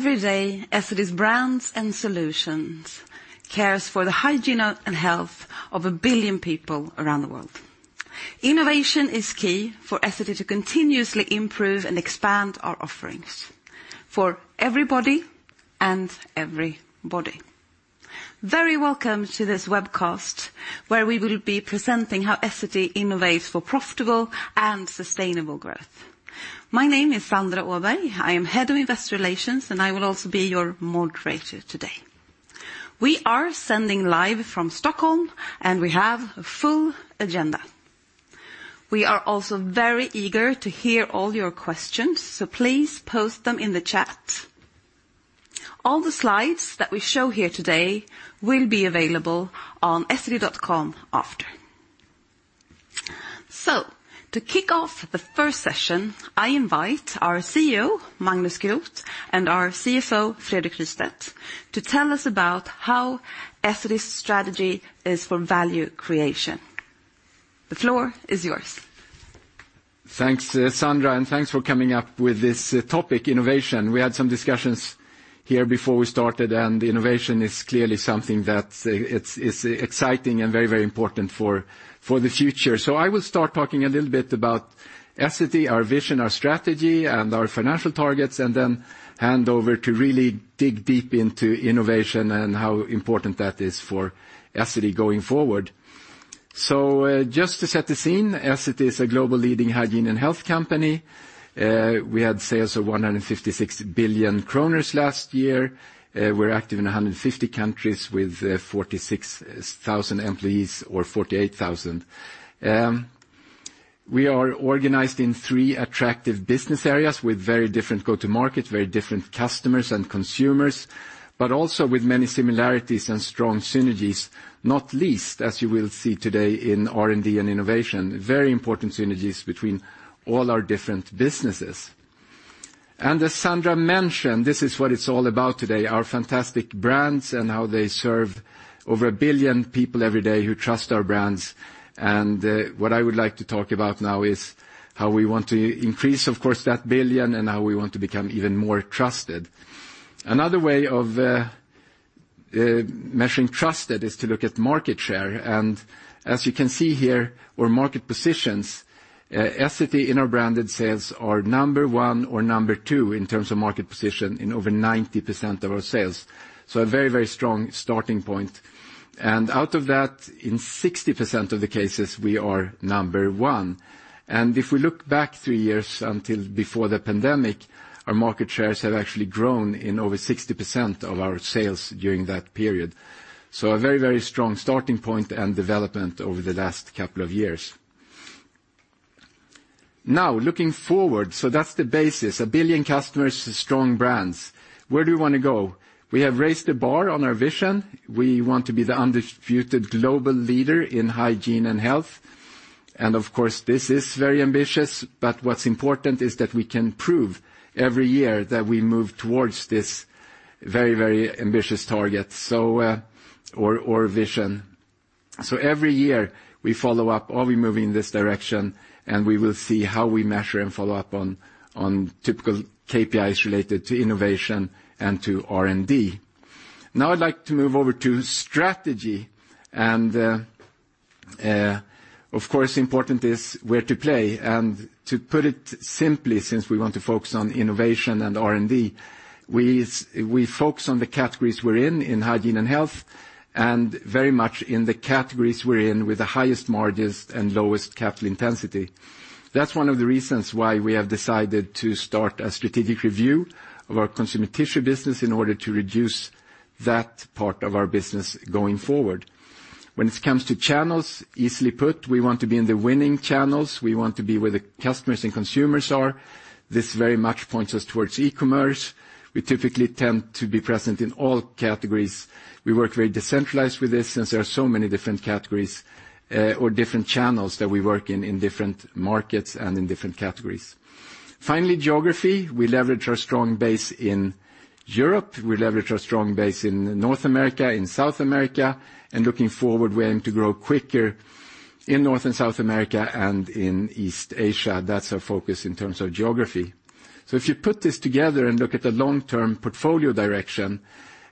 Every day, Essity's brands and solutions cares for the hygiene and health of a billion people around the world. Innovation is key for Essity to continuously improve and expand our offerings for everybody and every body. Very welcome to this webcast, where we will be presenting how Essity innovates for profitable and sustainable growth. My name is Sandra Åberg. I am Head of Investor Relations, and I will also be your moderator today. We are sending live from Stockholm, and we have a full agenda. We are also very eager to hear all your questions, so please post them in the chat. All the slides that we show here today will be available on essity.com after. So to kick off the first session, I invite our CEO, Magnus Groth, and our CFO, Fredrik Rystedt, to tell us about how Essity's strategy is for value creation. The floor is yours. Thanks, Sandra, and thanks for coming up with this topic, innovation. We had some discussions here before we started, and innovation is clearly something that it's exciting and very, very important for the future. I will start talking a little bit about Essity, our vision, our strategy, and our financial targets, and then hand over to really dig deep into innovation and how important that is for Essity going forward. Just to set the scene, Essity is a global leading hygiene and health company. We had sales of 156 billion kronor last year. We're active in 150 countries with 46,000 employees or 48,000. We are organized in three attractive business areas with very different go-to market, very different customers and consumers, but also with many similarities and strong synergies, not least, as you will see today in R&D and innovation, very important synergies between all our different businesses. And as Sandra mentioned, this is what it's all about today, our fantastic brands and how they serve over a billion people every day who trust our brands. And what I would like to talk about now is how we want to increase, of course, that billion, and how we want to become even more trusted. Another way of measuring trusted is to look at market share. And as you can see here, our market positions, Essity in our branded sales are number one or number two in terms of market position in over 90% of our sales. A very, very strong starting point. Out of that, in 60% of the cases, we are number one. If we look back three years until before the pandemic, our market shares have actually grown in over 60% of our sales during that period. A very, very strong starting point and development over the last couple of years. Now, looking forward, that's the basis, 1 billion customers, strong brands. Where do we wanna go? We have raised the bar on our vision. We want to be the undisputed global leader in hygiene and health. Of course, this is very ambitious, but what's important is that we can prove every year that we move towards this very, very ambitious target, or, or vision. Every year, we follow up, are we moving in this direction? We will see how we measure and follow up on typical KPIs related to innovation and to R&D. Now, I'd like to move over to strategy, and of course, important is where to play. To put it simply, since we want to focus on innovation and R&D, we focus on the categories we're in, in hygiene and health, and very much in the categories we're in with the highest margins and lowest capital intensity. That's one of the reasons why we have decided to start a strategic review of our Consumer Tissue business in order to reduce that part of our business going forward. When it comes to channels, easily put, we want to be in the winning channels. We want to be where the customers and consumers are. This very much points us towards e-commerce. We typically tend to be present in all categories. We work very decentralized with this since there are so many different categories, or different channels that we work in, in different markets and in different categories. Finally, geography. We leverage our strong base in Europe. We leverage our strong base in North America, in South America, and looking forward, we aim to grow quicker in North and South America and in East Asia. That's our focus in terms of geography. So if you put this together and look at the long-term portfolio direction,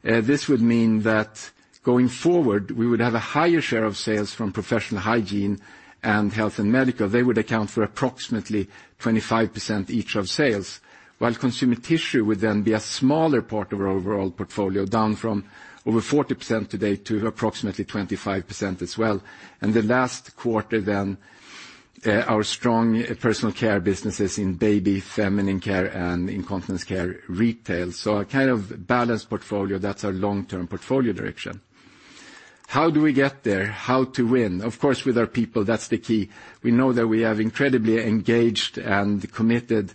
this would mean that going forward, we would have a higher share of sales from Professional Hygiene and Health and Medical. They would account for approximately 25% each of sales, while Consumer Tissue would then be a smaller part of our overall portfolio, down from over 40% today to approximately 25% as well. The last quarter then, our Strong Personal Care businesses in Baby, Feminine Care, and Incontinence Care Retail. A kind of balanced portfolio, that's our long-term portfolio direction. How do we get there? How to win? Of course, with our people, that's the key. We know that we have incredibly engaged and committed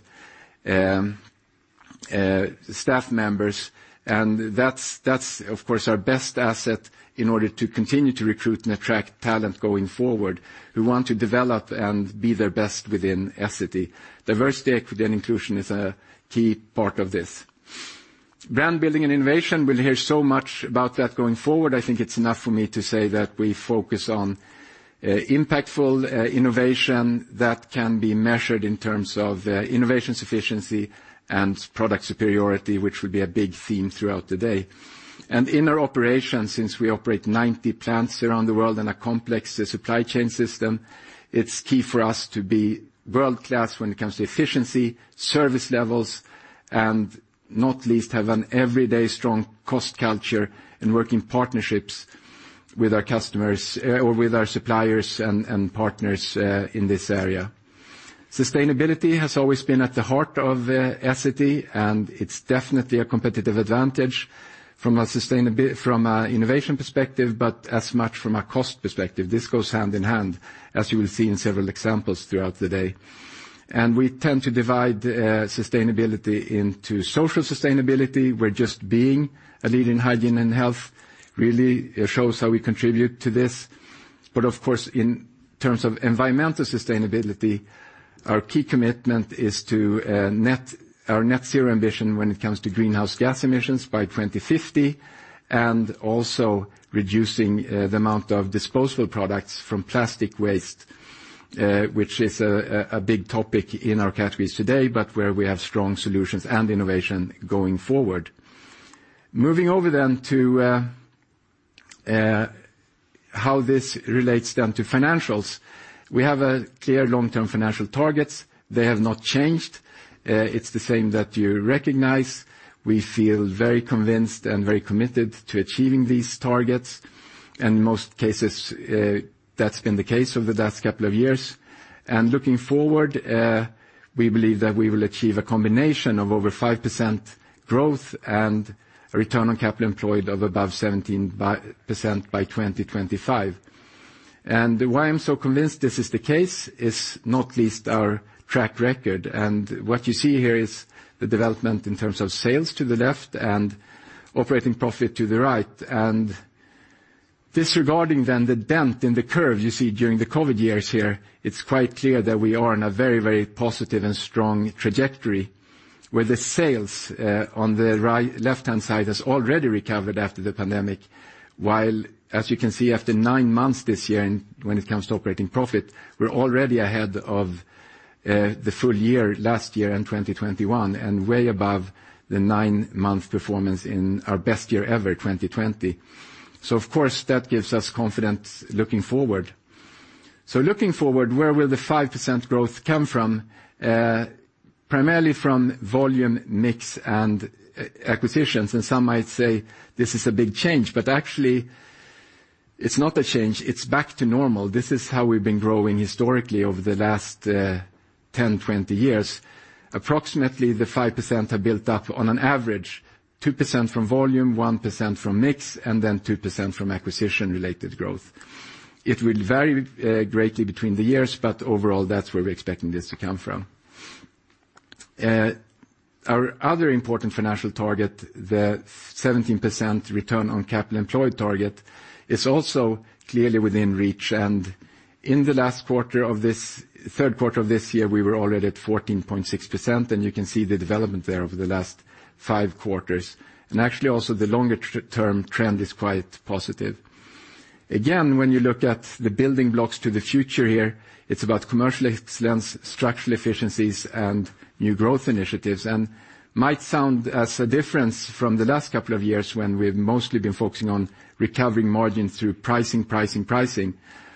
staff members, and that's, that's of course, our best asset in order to continue to recruit and attract talent going forward, who want to develop and be their best within Essity. Diversity, equity, and inclusion is a key part of this. Brand building and innovation, we'll hear so much about that going forward. I think it's enough for me to say that we focus on impactful innovation that can be measured in terms of innovation sufficiency and product superiority, which will be a big theme throughout the day. In our operations, since we operate 90 plants around the world in a complex supply chain system, it's key for us to be world-class when it comes to efficiency, service levels, and not least, have an everyday strong cost culture and working partnerships with our customers or with our suppliers and partners in this area. Sustainability has always been at the heart of Essity, and it's definitely a competitive advantage from an innovation perspective, but as much from a cost perspective. This goes hand in hand, as you will see in several examples throughout the day. We tend to divide sustainability into social sustainability, where just being a leader in hygiene and health really shows how we contribute to this. Of course, in terms of environmental sustainability, our key commitment is to our Net Zero ambition when it comes to greenhouse gas emissions by 2050, and also reducing the amount of disposable products from plastic waste, which is a big topic in our categories today, but where we have strong solutions and innovation going forward. Moving over then to how this relates then to financials. We have a clear long-term financial targets. They have not changed. It's the same that you recognize. We feel very convinced and very committed to achieving these targets, and in most cases, that's been the case over the last couple of years. Looking forward, we believe that we will achieve a combination of over 5% growth and a return on capital employed of above 17% by 2025. Why I'm so convinced this is the case is not least our track record, and what you see here is the development in terms of sales to the left and operating profit to the right. Disregarding then the dent in the curve you see during the COVID years here, it's quite clear that we are on a very, very positive and strong trajectory, where the sales on the right, left-hand side has already recovered after the pandemic, while, as you can see, after nine months this year and when it comes to operating profit, we're already ahead of the full year last year and 2021, and way above the nine-month performance in our best year ever, 2020. So of course, that gives us confidence looking forward. So looking forward, where will the 5% growth come from? Primarily from volume, mix, and acquisitions, and some might say this is a big change, but actually, it's not a change, it's back to normal. This is how we've been growing historically over the last 10, 20 years. Approximately, the 5% are built up on an average, 2% from volume, 1% from mix, and then 2% from acquisition-related growth. It will vary greatly between the years, but overall, that's where we're expecting this to come from. Our other important financial target, the 17% return on capital employed target, is also clearly within reach, and in the last quarter of this, third quarter of this year, we were already at 14.6%, and you can see the development there over the last five quarters. Actually, also, the longer term trend is quite positive. Again, when you look at the building blocks to the future here, it's about commercial excellence, structural efficiencies, and new growth initiatives, and might sound as a difference from the last couple of years, when we've mostly been focusing on recovering margins through pricing, pricing, pricing.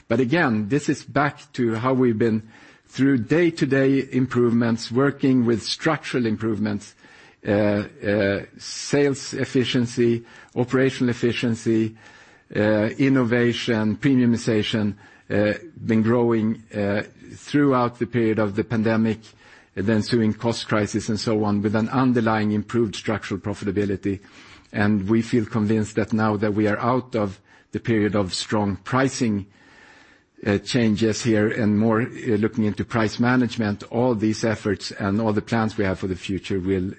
But again, this is back to how we've been through day-to-day improvements, working with structural improvements, sales efficiency, operational efficiency, innovation, premiumization, been growing, throughout the period of the pandemic, and then ensuing cost crisis, and so on, with an underlying improved structural profitability. And we feel convinced that now that we are out of the period of strong pricing, changes here and more looking into price management, all these efforts and all the plans we have for the future will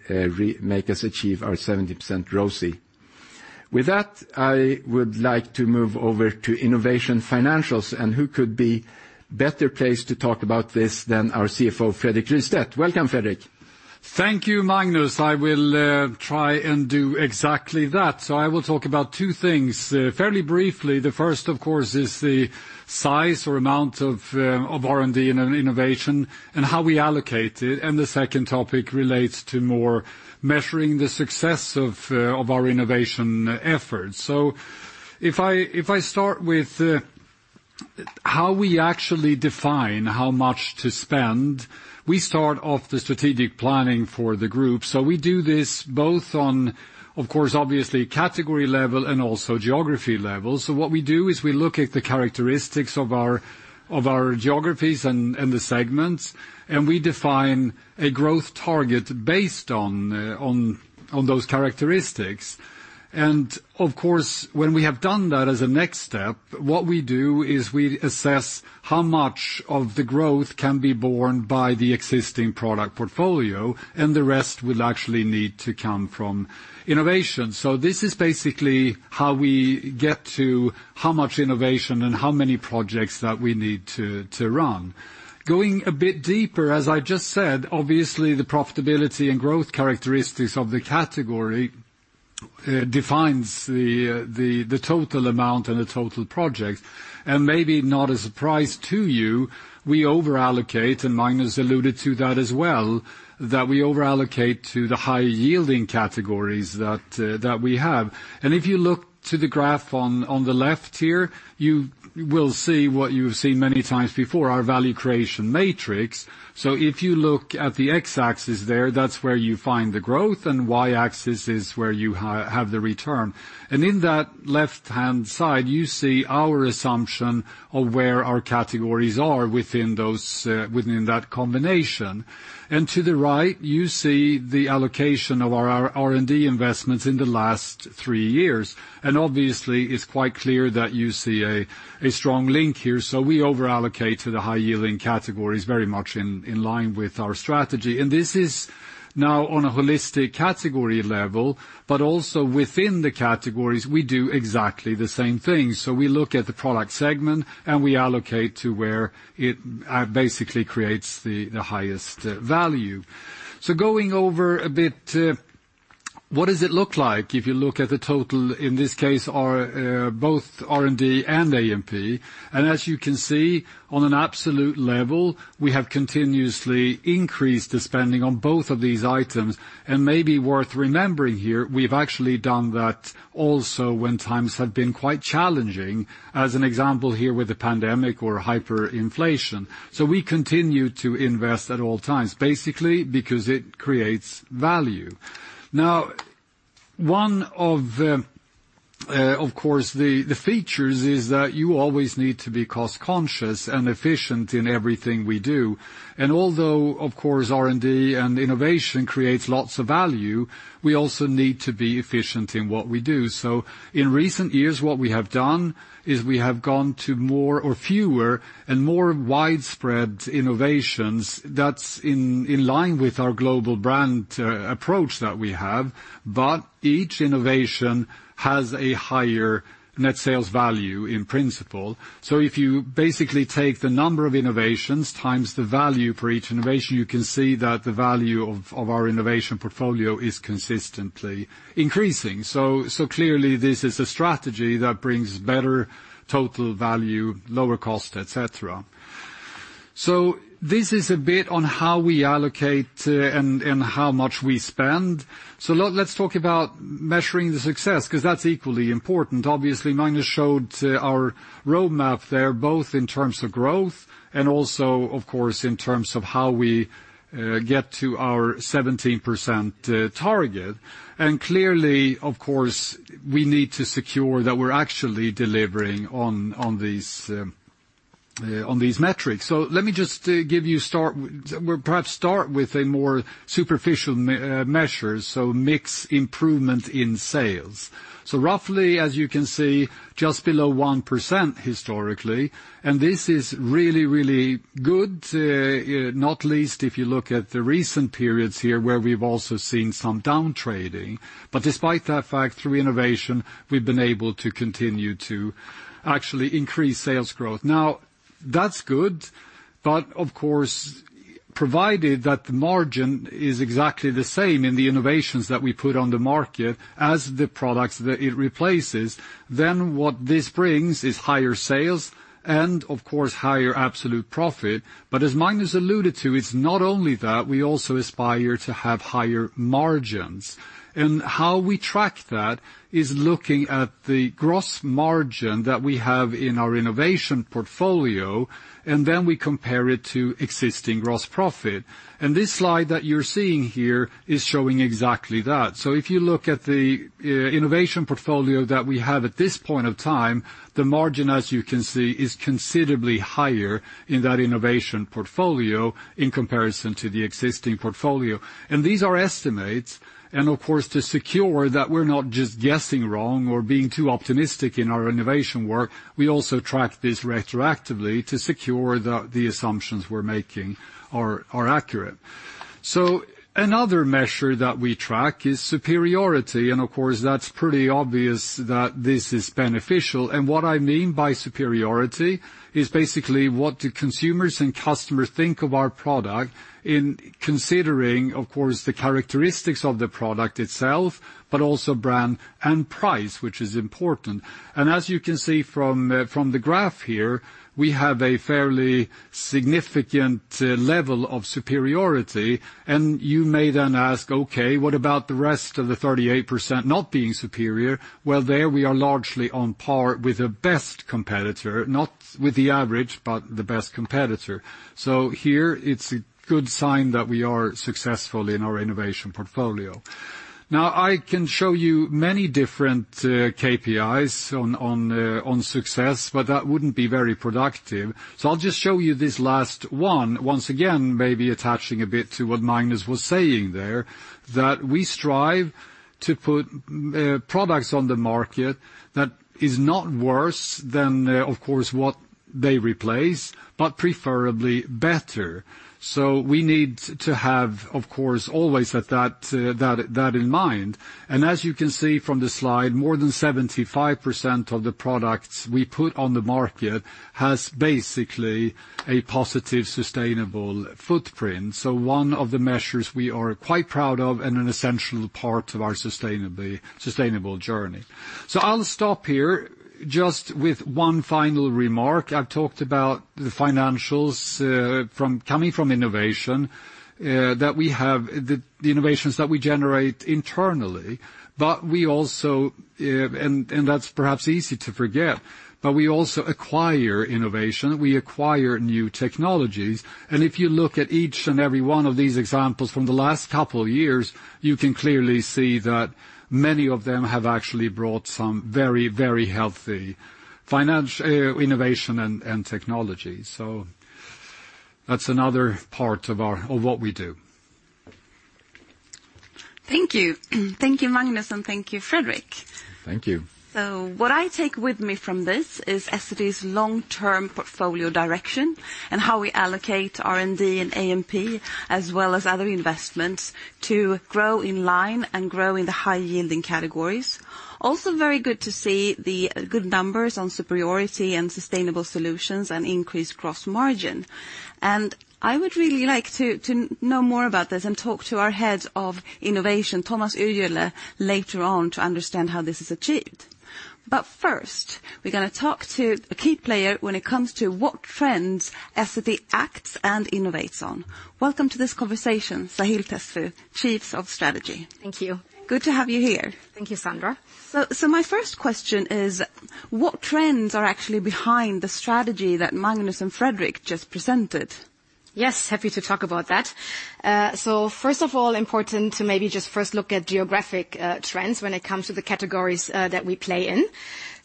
make us achieve our 70% ROCE. With that, I would like to move over to innovation financials, and who could be better placed to talk about this than our CFO, Fredrik Rystedt? Welcome, Fredrik. Thank you, Magnus. I will try and do exactly that. So I will talk about two things fairly briefly. The first, of course, is the size or amount of R&D and innovation, and how we allocate it. And the second topic relates to more measuring the success of our innovation efforts. So if I start with how we actually define how much to spend, we start off the strategic planning for the group. So we do this both on, of course, obviously, category level and also geography level. So what we do is we look at the characteristics of our geographies and the segments, and we define a growth target based on those characteristics. Of course, when we have done that as a next step, what we do is we assess how much of the growth can be borne by the existing product portfolio, and the rest will actually need to come from innovation. So this is basically how we get to how much innovation and how many projects that we need to run. Going a bit deeper, as I just said, obviously, the profitability and growth characteristics of the category defines the total amount and the total project. Maybe not a surprise to you, we over-allocate, and Magnus alluded to that as well, that we over-allocate to the high-yielding categories that we have. If you look to the graph on the left here, you will see what you've seen many times before, our value creation matrix. So if you look at the x-axis there, that's where you find the growth, and y-axis is where you have the return. And in that left-hand side, you see our assumption of where our categories are within those, within that combination. And to the right, you see the allocation of our R&D investments in the last three years. And obviously, it's quite clear that you see a strong link here. So we over-allocate to the high-yielding categories, very much in line with our strategy. And this is now on a holistic category level, but also within the categories, we do exactly the same thing. So we look at the product segment, and we allocate to where it basically creates the highest value. So going over a bit, what does it look like if you look at the total, in this case, our both R&D and A&P? As you can see, on an absolute level, we have continuously increased the spending on both of these items. Maybe worth remembering here, we've actually done that also when times have been quite challenging, as an example here with the pandemic or hyperinflation. So we continue to invest at all times, basically, because it creates value. Now, one of the, of course, the, the features is that you always need to be cost-conscious and efficient in everything we do. Although, of course, R&D and innovation creates lots of value, we also need to be efficient in what we do. So in recent years, what we have done is we have gone to more or fewer and more widespread innovations. That's in line with our global brand approach that we have, but each innovation has a higher net sales value in principle. So if you basically take the number of innovations times the value for each innovation, you can see that the value of our innovation portfolio is consistently increasing. So clearly, this is a strategy that brings better total value, lower cost, etc. So this is a bit on how we allocate and how much we spend. So let's talk about measuring the success, 'cause that's equally important. Obviously, Magnus showed our roadmap there, both in terms of growth and also, of course, in terms of how we get to our 17% target. And clearly, of course, we need to secure that we're actually delivering on these metrics. So let me just give you start, well, perhaps start with a more superficial measure, so mix improvement in sales. So roughly, as you can see, just below 1% historically, and this is really, really good, not least if you look at the recent periods here, where we've also seen some down trading. But despite that fact, through innovation, we've been able to continue to actually increase sales growth. Now, that's good, but of course, provided that the margin is exactly the same in the innovations that we put on the market as the products that it replaces, then what this brings is higher sales and, of course, higher absolute profit. But as Magnus alluded to, it's not only that, we also aspire to have higher margins. How we track that is looking at the gross margin that we have in our innovation portfolio, and then we compare it to existing gross profit. This slide that you're seeing here is showing exactly that. So if you look at the innovation portfolio that we have at this point of time, the margin, as you can see, is considerably higher in that innovation portfolio in comparison to the existing portfolio. These are estimates, and of course, to secure that we're not just guessing wrong or being too optimistic in our innovation work, we also track this retroactively to secure that the assumptions we're making are accurate. Another measure that we track is superiority, and of course, that's pretty obvious that this is beneficial. And what I mean by superiority is basically what do consumers and customers think of our product in considering, of course, the characteristics of the product itself, but also brand and price, which is important. And as you can see from, from the graph here, we have a fairly significant, level of superiority. And you may then ask, "Okay, what about the rest of the 38% not being superior?" Well, there we are largely on par with the best competitor, not with the average, but the best competitor. So here, it's a good sign that we are successful in our innovation portfolio.... Now, I can show you many different, KPIs on, on, success, but that wouldn't be very productive. So I'll just show you this last one. Once again, maybe attaching a bit to what Magnus was saying there, that we strive to put products on the market that is not worse than of course what they replace, but preferably better. So we need to have, of course, always have that in mind. And as you can see from the slide, more than 75% of the products we put on the market has basically a positive, sustainable footprint. So one of the measures we are quite proud of and an essential part of our sustainable journey. So I'll stop here just with one final remark. I've talked about the financials from innovation that we have, the innovations that we generate internally, but we also, and that's perhaps easy to forget, but we also acquire innovation, we acquire new technologies. If you look at each and every one of these examples from the last couple of years, you can clearly see that many of them have actually brought some very, very healthy financial innovation and technology. So that's another part of what we do. Thank you. Thank you, Magnus, and thank you, Fredrik. Thank you. So what I take with me from this is Essity's long-term portfolio direction and how we allocate R&D and A&P, as well as other investments, to grow in line and grow in the high-yielding categories. Also, very good to see the good numbers on superiority and sustainable solutions and increased gross margin. And I would really like to know more about this and talk to our head of innovation, Tuomas Yrjölä, later on to understand how this is achieved. But first, we're gonna talk to a key player when it comes to what trends Essity acts and innovates on. Welcome to this conversation, Sahil Tesfu, chief of strategy. Thank you. Good to have you here. Thank you, Sandra Åberg. So, my first question is: What trends are actually behind the strategy that Magnus and Fredrik just presented? Yes, happy to talk about that. So first of all, important to maybe just first look at geographic trends when it comes to the categories that we play in.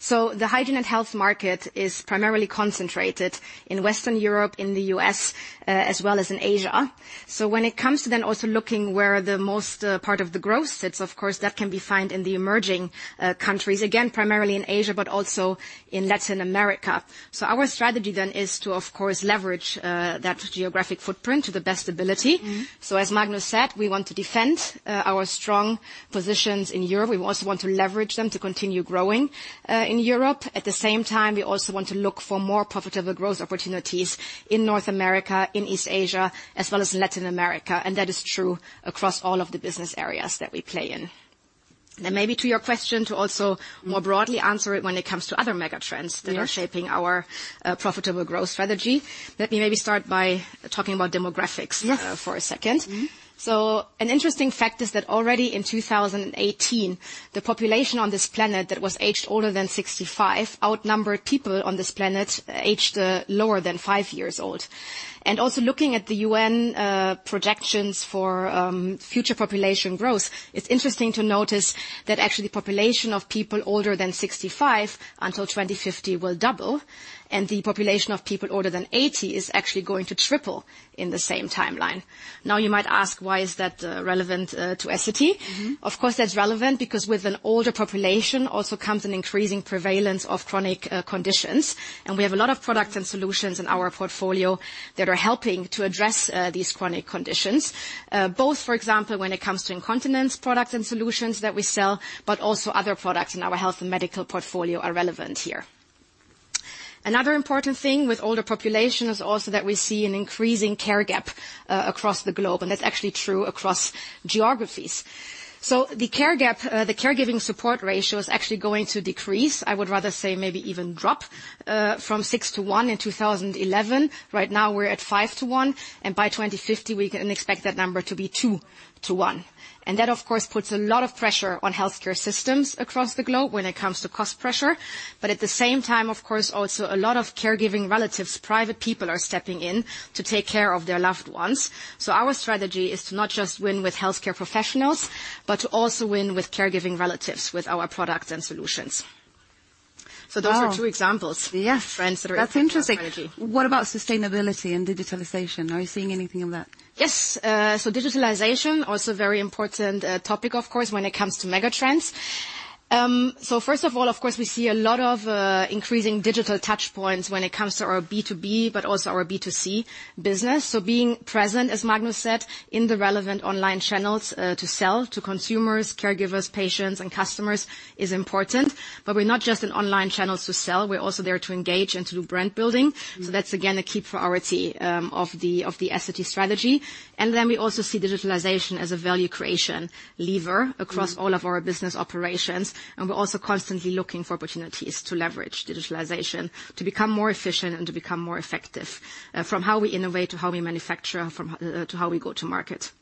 So the hygiene and health market is primarily concentrated in Western Europe, in the U.S., as well as in Asia. So when it comes to then also looking where the most part of the growth sits, of course, that can be found in the emerging countries, again, primarily in Asia, but also in Latin America. So our strategy then is to, of course, leverage that geographic footprint to the best ability. So as Magnus said, we want to defend our strong positions in Europe. We also want to leverage them to continue growing in Europe. At the same time, we also want to look for more profitable growth opportunities in North America, in East Asia, as well as Latin America, and that is true across all of the business areas that we play in. Then maybe to your question, to also more broadly answer it when it comes to other mega trends- Yes... that are shaping our profitable growth strategy, let me maybe start by talking about demographics- Yes... for a second. So an interesting fact is that already in 2018, the population on this planet that was aged older than 65 outnumbered people on this planet aged lower than five years old. Also looking at the UN projections for future population growth, it's interesting to notice that actually, the population of people older than 65 until 2050 will double, and the population of people older than 80 is actually going to triple in the same timeline. Now, you might ask: Why is that relevant to Essity? Of course, that's relevant because with an older population also comes an increasing prevalence of chronic conditions, and we have a lot of products and solutions in our portfolio that are helping to address these chronic conditions. Both, for example, when it comes to incontinence products and solutions that we sell, but also other products in our Health and Medical portfolio are relevant here. Another important thing with older population is also that we see an increasing care gap across the globe, and that's actually true across geographies. So the care gap, the caregiving support ratio is actually going to decrease, I would rather say maybe even drop, from six to one in 2011. Right now, we're at five to one, and by 2050, we can expect that number to be two to one. That, of course, puts a lot of pressure on healthcare systems across the globe when it comes to cost pressure. At the same time, of course, also a lot of caregiving relatives, private people, are stepping in to take care of their loved ones. So our strategy is to not just win with healthcare professionals, but to also win with caregiving relatives with our products and solutions. Wow! Those are two examples. Yes... trends that are affecting our strategy. That's interesting. What about sustainability and digitalization? Are you seeing anything of that? Yes. So digitalization, also very important topic, of course, when it comes to mega trends. So first of all, of course, we see a lot of increasing digital touchpoints when it comes to our B2B, but also our B2C business. So being present, as Magnus said, in the relevant online channels to sell to consumers, caregivers, patients, and customers is important. But we're not just in online channels to sell, we're also there to engage and to do brand building. That's again a key priority of the Essity strategy. Then we also see digitalization as a value creation lever across all of our business operations, and we're also constantly looking for opportunities to leverage digitalization, to become more efficient and to become more effective, from how we innovate to how we manufacture, to how we go to market.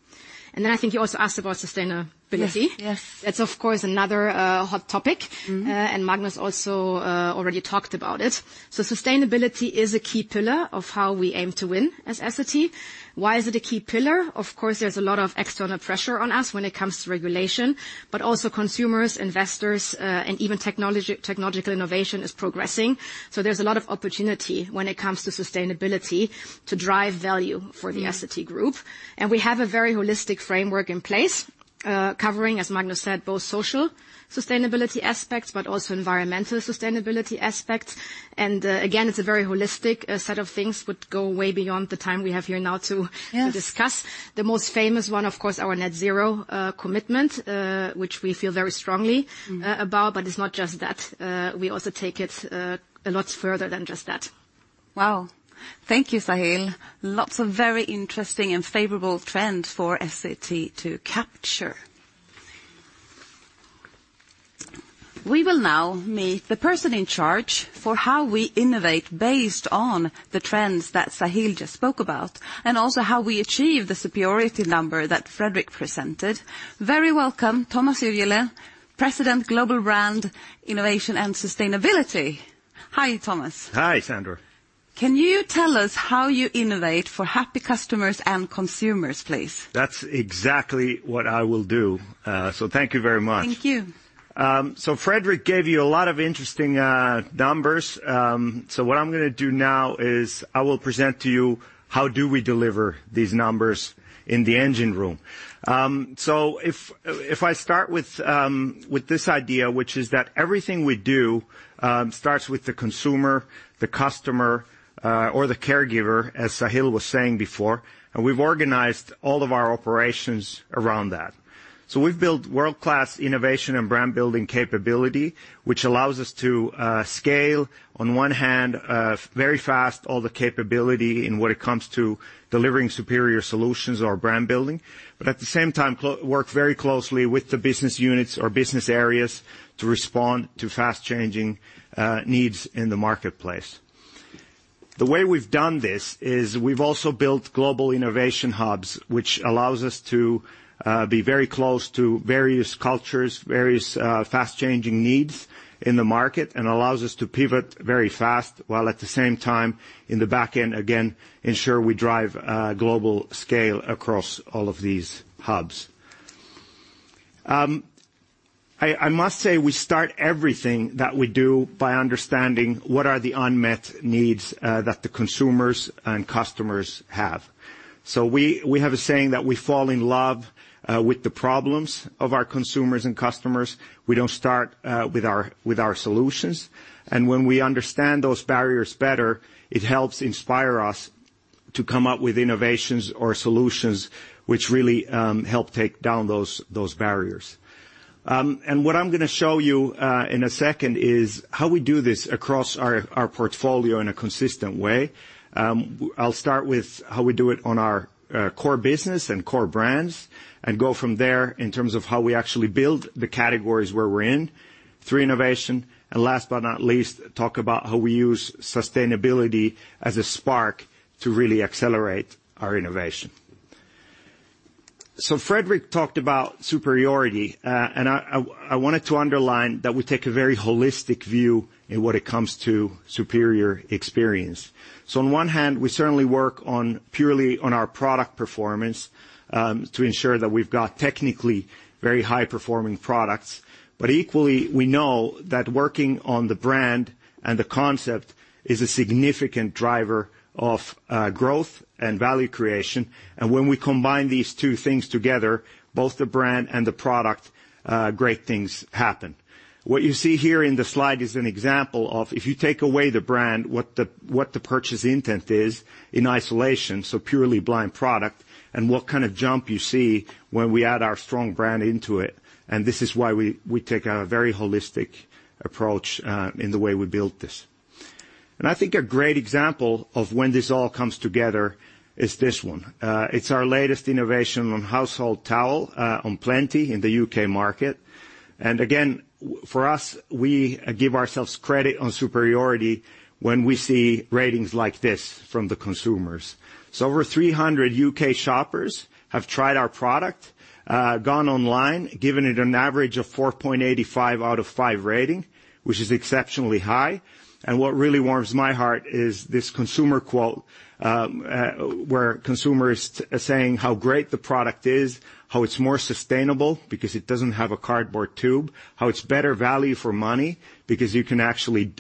And then I think you also asked about sustainability. Yes, yes. That's, of course, another hot topic and Magnus also already talked about it. So sustainability is a key pillar of how we aim to win as Essity. Why is it a key pillar? Of course, there's a lot of external pressure on us when it comes to regulation, but also consumers, investors, and even technological innovation is progressing. So there's a lot of opportunity when it comes to sustainability, to drive value for the Essity group. And we have a very holistic framework in place, covering, as Magnus said, both social sustainability aspects, but also environmental sustainability aspects. And, again, it's a very holistic set of things, would go way beyond the time we have here now to- Yes -to discuss. The most famous one, of course, our Net Zero commitment, which we feel very strongly but it's not just that. We also take it a lot further than just that. Wow! Thank you, Sahil. Lots of very interesting and favorable trends for Essity to capture. We will now meet the person in charge for how we innovate, based on the trends that Sahil just spoke about, and also how we achieve the superiority number that Fredrik presented. Very welcome, Tuomas Yrjölä, President, Global Brand, Innovation and Sustainability. Hi, Tuomas. Hi, Sandra. Can you tell us how you innovate for happy customers and consumers, please? That's exactly what I will do. So thank you very much. Thank you. So Fredrik gave you a lot of interesting numbers. So what I'm gonna do now is I will present to you how do we deliver these numbers in the engine room? So if I start with this idea, which is that everything we do starts with the consumer, the customer, or the caregiver, as Sahil was saying before, and we've organized all of our operations around that. So we've built world-class innovation and brand-building capability, which allows us to scale, on one hand, very fast, all the capability in when it comes to delivering superior solutions or brand building, but at the same time, work very closely with the business units or business areas to respond to fast-changing needs in the marketplace. The way we've done this is we've also built global innovation hubs, which allows us to be very close to various cultures, various fast-changing needs in the market, and allows us to pivot very fast, while at the same time, in the back end, again, ensure we drive a global scale across all of these hubs. I must say, we start everything that we do by understanding what are the unmet needs that the consumers and customers have. So we have a saying that we fall in love with the problems of our consumers and customers. We don't start with our solutions, and when we understand those barriers better, it helps inspire us to come up with innovations or solutions which really help take down those barriers. And what I'm gonna show you, in a second is how we do this across our, our portfolio in a consistent way. I'll start with how we do it on our, core business and core brands, and go from there in terms of how we actually build the categories where we're in, through innovation. And last but not least, talk about how we use sustainability as a spark to really accelerate our innovation. So Fredrik talked about superiority, and I, I, I wanted to underline that we take a very holistic view in what it comes to superior experience. So on one hand, we certainly work on purely on our product performance, to ensure that we've got technically very high-performing products. But equally, we know that working on the brand and the concept is a significant driver of, growth and value creation, and when we combine these two things together, both the brand and the product, great things happen. What you see here in the slide is an example of if you take away the brand, what the, what the purchase intent is in isolation, so purely blind product, and what kind of jump you see when we add our strong brand into it, and this is why we, we take a very holistic approach, in the way we built this. And I think a great example of when this all comes together is this one. It's our latest innovation on household towel, on Plenty, in the U.K. market. And again, for us, we give ourselves credit on superiority when we see ratings like this from the consumers. So over 300 U.K. shoppers have tried our product, gone online, given it an average of 4.85 out of five rating, which is exceptionally high. And what really warms my heart is this consumer quote, where consumer is saying how great the product is, how it's more sustainable because it doesn't have a cardboard tube, how it's better value for money because you can actually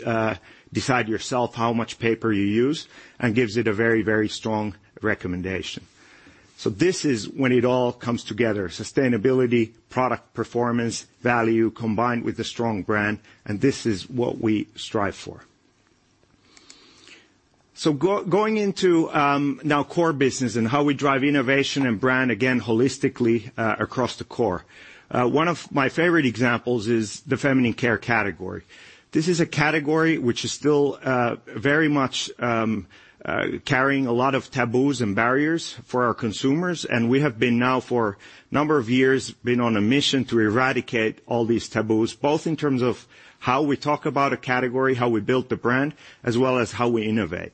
decide yourself how much paper you use, and gives it a very, very strong recommendation. So this is when it all comes together: sustainability, product performance, value, combined with the strong brand, and this is what we strive for. So going into now core business and how we drive innovation and brand, again, holistically, across the core. One of my favorite examples is the Feminine Care category. This is a category which is still very much carrying a lot of taboos and barriers for our consumers, and we have been now for a number of years been on a mission to eradicate all these taboos, both in terms of how we talk about a category, how we built the brand, as well as how we innovate.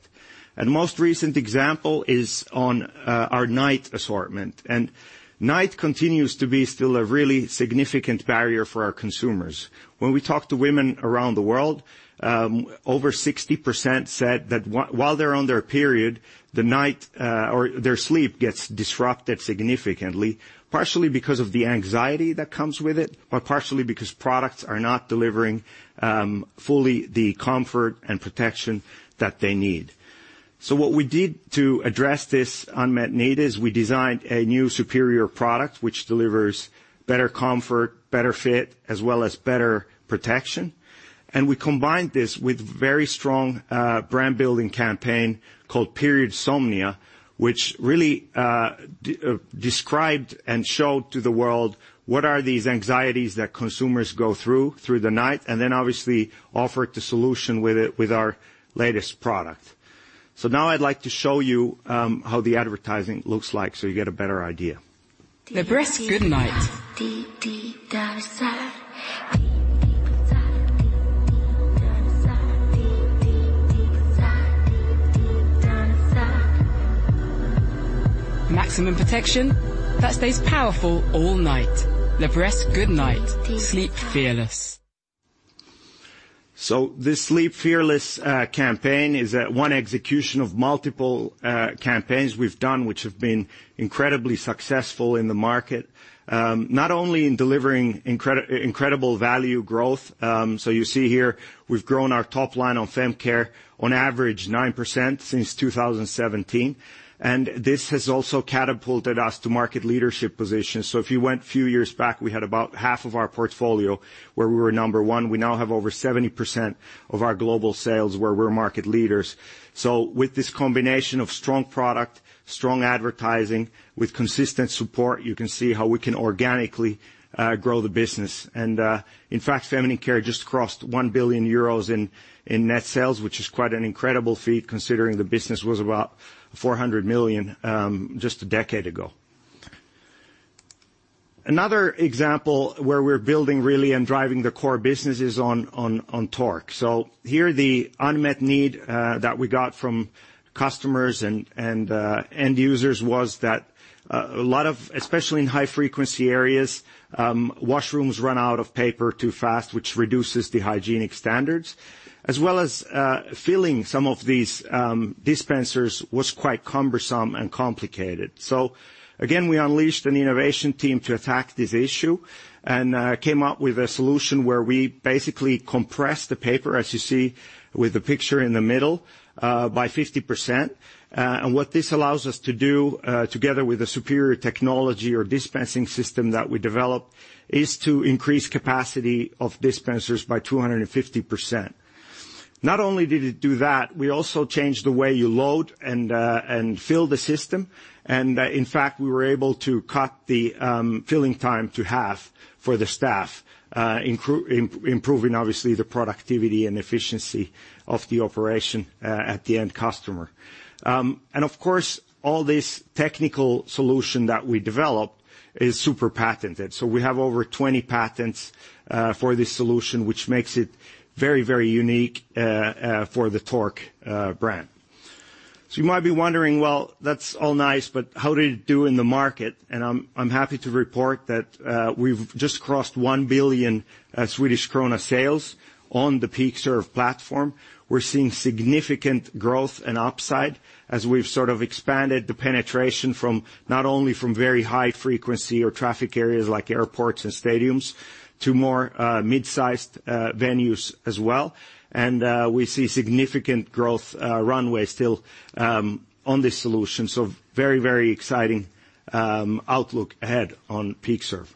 And most recent example is on our night assortment, and night continues to be still a really significant barrier for our consumers. When we talk to women around the world, over 60% said that while they're on their period, the night or their sleep gets disrupted significantly, partially because of the anxiety that comes with it, but partially because products are not delivering fully the comfort and protection that they need. So what we did to address this unmet need is we designed a new superior product, which delivers better comfort, better fit, as well as better protection. And we combined this with very strong brand-building campaign called Periodsomnia, which really described and showed to the world what are these anxieties that consumers go through through the night, and then obviously offered the solution with it, with our latest product. So now I'd like to show you how the advertising looks like, so you get a better idea. Libresse Goodnight. Maximum protection that stays powerful all night. Libresse Goodnight. Sleep fearless. So this Sleep Fearless campaign is one execution of multiple campaigns we've done, which have been incredibly successful in the market, not only in delivering incredible value growth, so you see here, we've grown our top line on fem care on average 9% since 2017, and this has also catapulted us to market leadership positions. So if you went a few years back, we had about half of our portfolio where we were number one. We now have over 70% of our global sales where we're market leaders. So with this combination of strong product, strong advertising, with consistent support, you can see how we can organically grow the business. And, in fact, Feminine Care just crossed 1 billion euros in net sales, which is quite an incredible feat considering the business was about 400 million just a decade ago. Another example where we're building really and driving the core business is on Tork. So here, the unmet need that we got from customers and end users was that a lot of-- Especially in high-frequency areas, washrooms run out of paper too fast, which reduces the hygienic standards, as well as filling some of these dispensers was quite cumbersome and complicated. So again, we unleashed an innovation team to attack this issue and came up with a solution where we basically compressed the paper, as you see with the picture in the middle, by 50%. And what this allows us to do, together with a superior technology or dispensing system that we developed, is to increase capacity of dispensers by 250%. Not only did it do that, we also changed the way you load and fill the system, and in fact, we were able to cut the filling time to half for the staff, improving obviously, the productivity and efficiency of the operation, at the end customer. And of course, all this technical solution that we developed is super patented. So we have over 20 patents for this solution, which makes it very, very unique for the Tork brand. So you might be wondering, well, that's all nice, but how did it do in the market? I'm happy to report that we've just crossed 1 billion Swedish krona sales on the PeakServe platform. We're seeing significant growth and upside as we've sort of expanded the penetration from not only very high frequency or traffic areas like airports and stadiums, to more mid-sized venues as well. And we see significant growth runway still on this solution. So very, very exciting outlook ahead on PeakServe.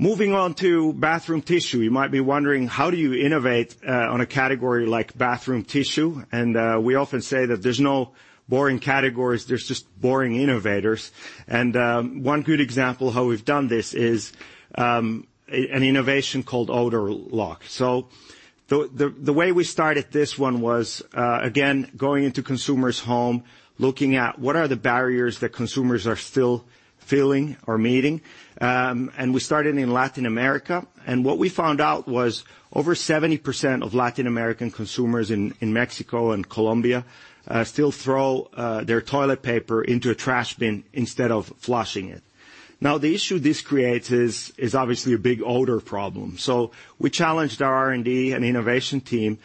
Moving on to bathroom tissue. You might be wondering, how do you innovate on a category like bathroom tissue? And we often say that there's no boring categories, there's just boring innovators. And one good example how we've done this is an innovation called OdorBlock. So the way we started this one was, again, going into consumer's home, looking at what are the barriers that consumers are still feeling or meeting. And we started in Latin America, and what we found out was over 70% of Latin American consumers in Mexico and Colombia still throw their toilet paper into a trash bin instead of flushing it. Now, the issue this creates is obviously a big odor problem. So we challenged our R&D and innovation team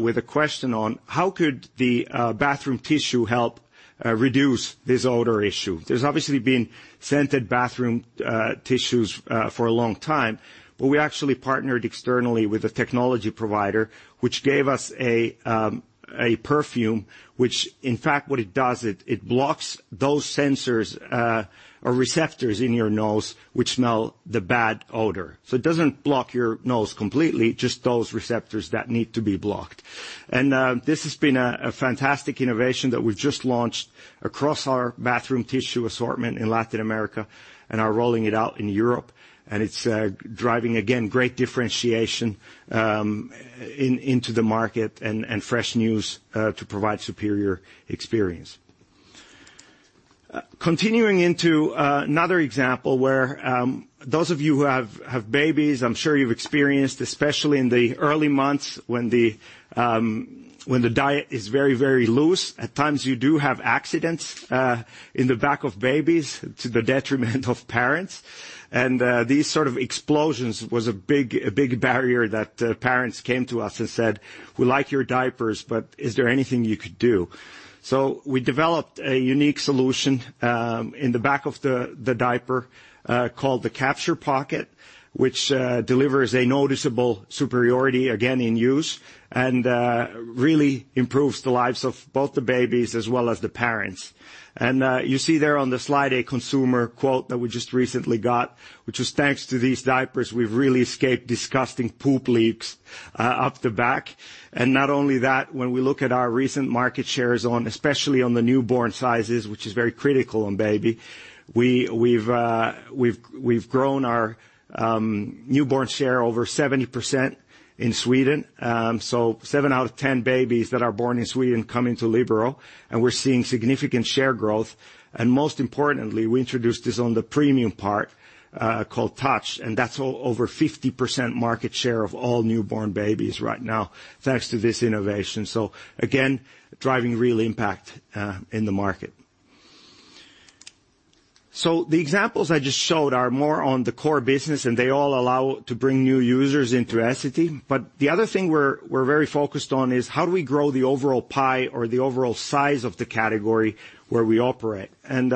with a question on: how could the bathroom tissue help reduce this odor issue? There's obviously been scented bathroom tissues for a long time, but we actually partnered externally with a technology provider, which gave us a perfume, which in fact, what it does, it blocks those sensors or receptors in your nose which smell the bad odor. So it doesn't block your nose completely, just those receptors that need to be blocked. And this has been a fantastic innovation that we've just launched across our bathroom tissue assortment in Latin America and are rolling it out in Europe. And it's driving, again, great differentiation in into the market and fresh news to provide superior experience. Continuing into another example where those of you who have babies, I'm sure you've experienced, especially in the early months when the diet is very, very loose, at times, you do have accidents in the back of babies, to the detriment of parents. And these sort of explosions was a big, a big barrier that parents came to us and said, "We like your diapers, but is there anything you could do?" So we developed a unique solution in the back of the diaper called the Capture Pocket, which delivers a noticeable superiority, again, in use, and really improves the lives of both the babies as well as the parents. And, you see there on the slide, a consumer quote that we just recently got, which was, "Thanks to these diapers, we've really escaped disgusting poop leaks up the back." And not only that, when we look at our recent market shares on, especially on the newborn sizes, which is very critical on Baby, we've grown our newborn share over 70% in Sweden. So seven out of ten babies that are born in Sweden come into Libero, and we're seeing significant share growth. And most importantly, we introduced this on the premium part, called Touch, and that's over 50% market share of all newborn babies right now, thanks to this innovation. So again, driving real impact in the market. So the examples I just showed are more on the core business, and they all allow to bring new users into Essity. But the other thing we're very focused on is how do we grow the overall pie or the overall size of the category where we operate? And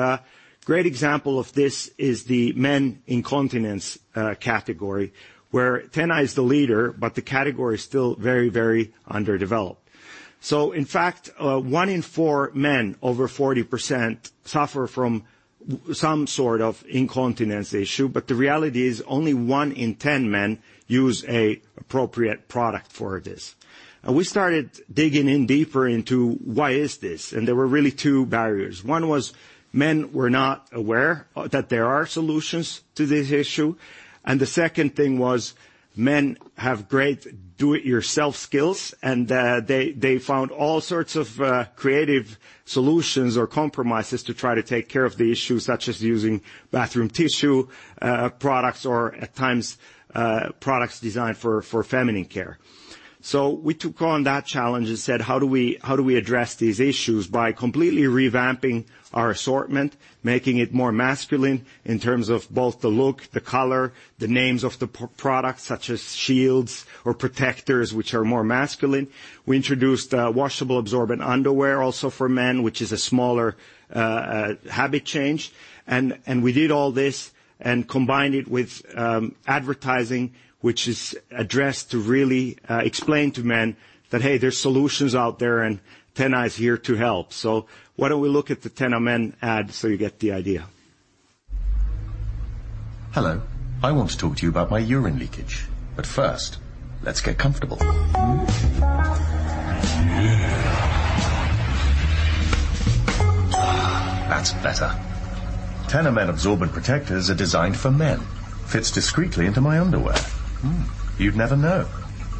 great example of this is the men incontinence category, where TENA is the leader, but the category is still very, very underdeveloped. So in fact, one in four men, over 40%, suffer from some sort of incontinence issue, but the reality is only one in ten men use an appropriate product for this. And we started digging in deeper into why is this? And there were really two barriers. One was men were not aware that there are solutions to this issue, and the second thing was men have great do-it-yourself skills, and they found all sorts of creative solutions or compromises to try to take care of the issue, such as using bathroom tissue products, or at times products designed for Feminine Care. So we took on that challenge and said, how do we address these issues? By completely revamping our assortment, making it more masculine in terms of both the look, the color, the names of the products, such as Shields or Protectors, which are more masculine. We introduced washable, absorbent underwear also for men, which is a smaller habit change. We did all this and combined it with advertising, which is addressed to really explain to men that, "Hey, there's solutions out there, and TENA is here to help." So why don't we look at the TENA Men ad so you get the idea? Hello, I want to talk to you about my urine leakage, but first, let's get comfortable. Ah! That's better. TENA Men absorbent protectors are designed for men. Fits discreetly into my underwear. Hmm, you'd never know.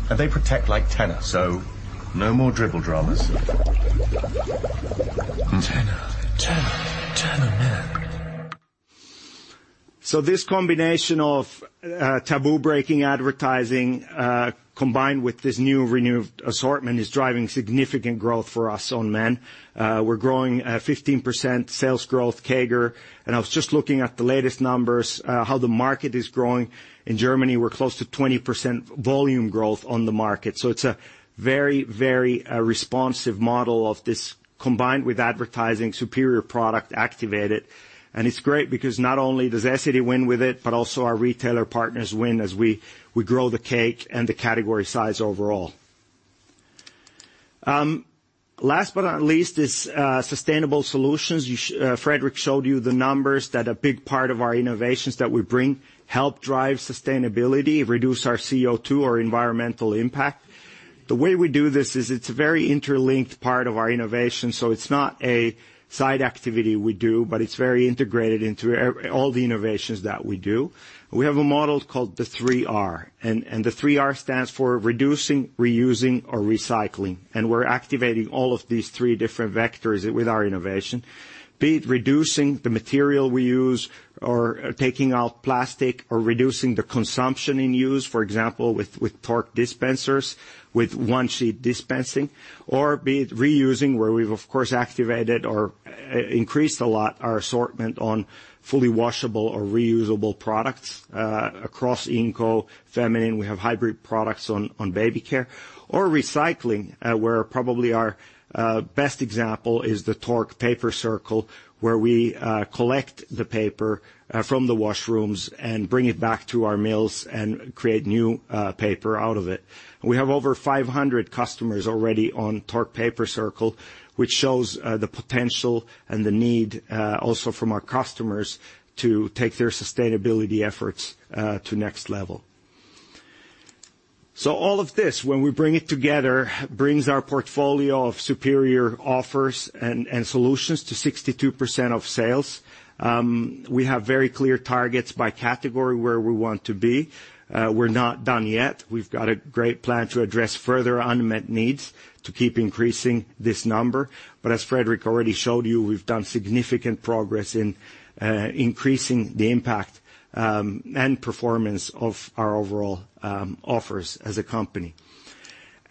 They protect like TENA, so no more dribble dramas. TENA, TENA, TENA Men. So this combination of taboo-breaking advertising combined with this new renewed assortment is driving significant growth for us on Men. We're growing 15% sales growth, CAGR, and I was just looking at the latest numbers how the market is growing. In Germany, we're close to 20% volume growth on the market. So it's a very, very responsive model of this, combined with advertising, superior product activated. And it's great because not only does Essity win with it, but also our retailer partners win as we grow the cake and the category size overall. Last but not least, sustainable solutions. Fredrik showed you the numbers, that a big part of our innovations that we bring help drive sustainability, reduce our CO2, or environmental impact. The way we do this is it's a very interlinked part of our innovation, so it's not a side activity we do, but it's very integrated into all the innovations that we do. We have a model called the Three Rs, and, and the Three Rs stands for reducing, reusing, or recycling, and we're activating all of these three different vectors with our innovation. Be it reducing the material we use or taking out plastic or reducing the consumption in use, for example, with, with Tork dispensers, with one-sheet dispensing, or be it reusing, where we've, of course, activated or increased a lot our assortment on fully washable or reusable products. Across Inco, feminine, we have hybrid products on, on Baby care or recycling, where probably our best example is the Tork Paper Circle, where we collect the paper from the washrooms and bring it back to our mills and create new paper out of it. We have over 500 customers already on Tork Paper Circle, which shows the potential and the need also from our customers to take their sustainability efforts to next level. So all of this, when we bring it together, brings our portfolio of superior offers and, and solutions to 62% of sales. We have very clear targets by category where we want to be. We're not done yet. We've got a great plan to address further unmet needs to keep increasing this number. But as Fredrik already showed you, we've done significant progress in increasing the impact and performance of our overall offers as a company.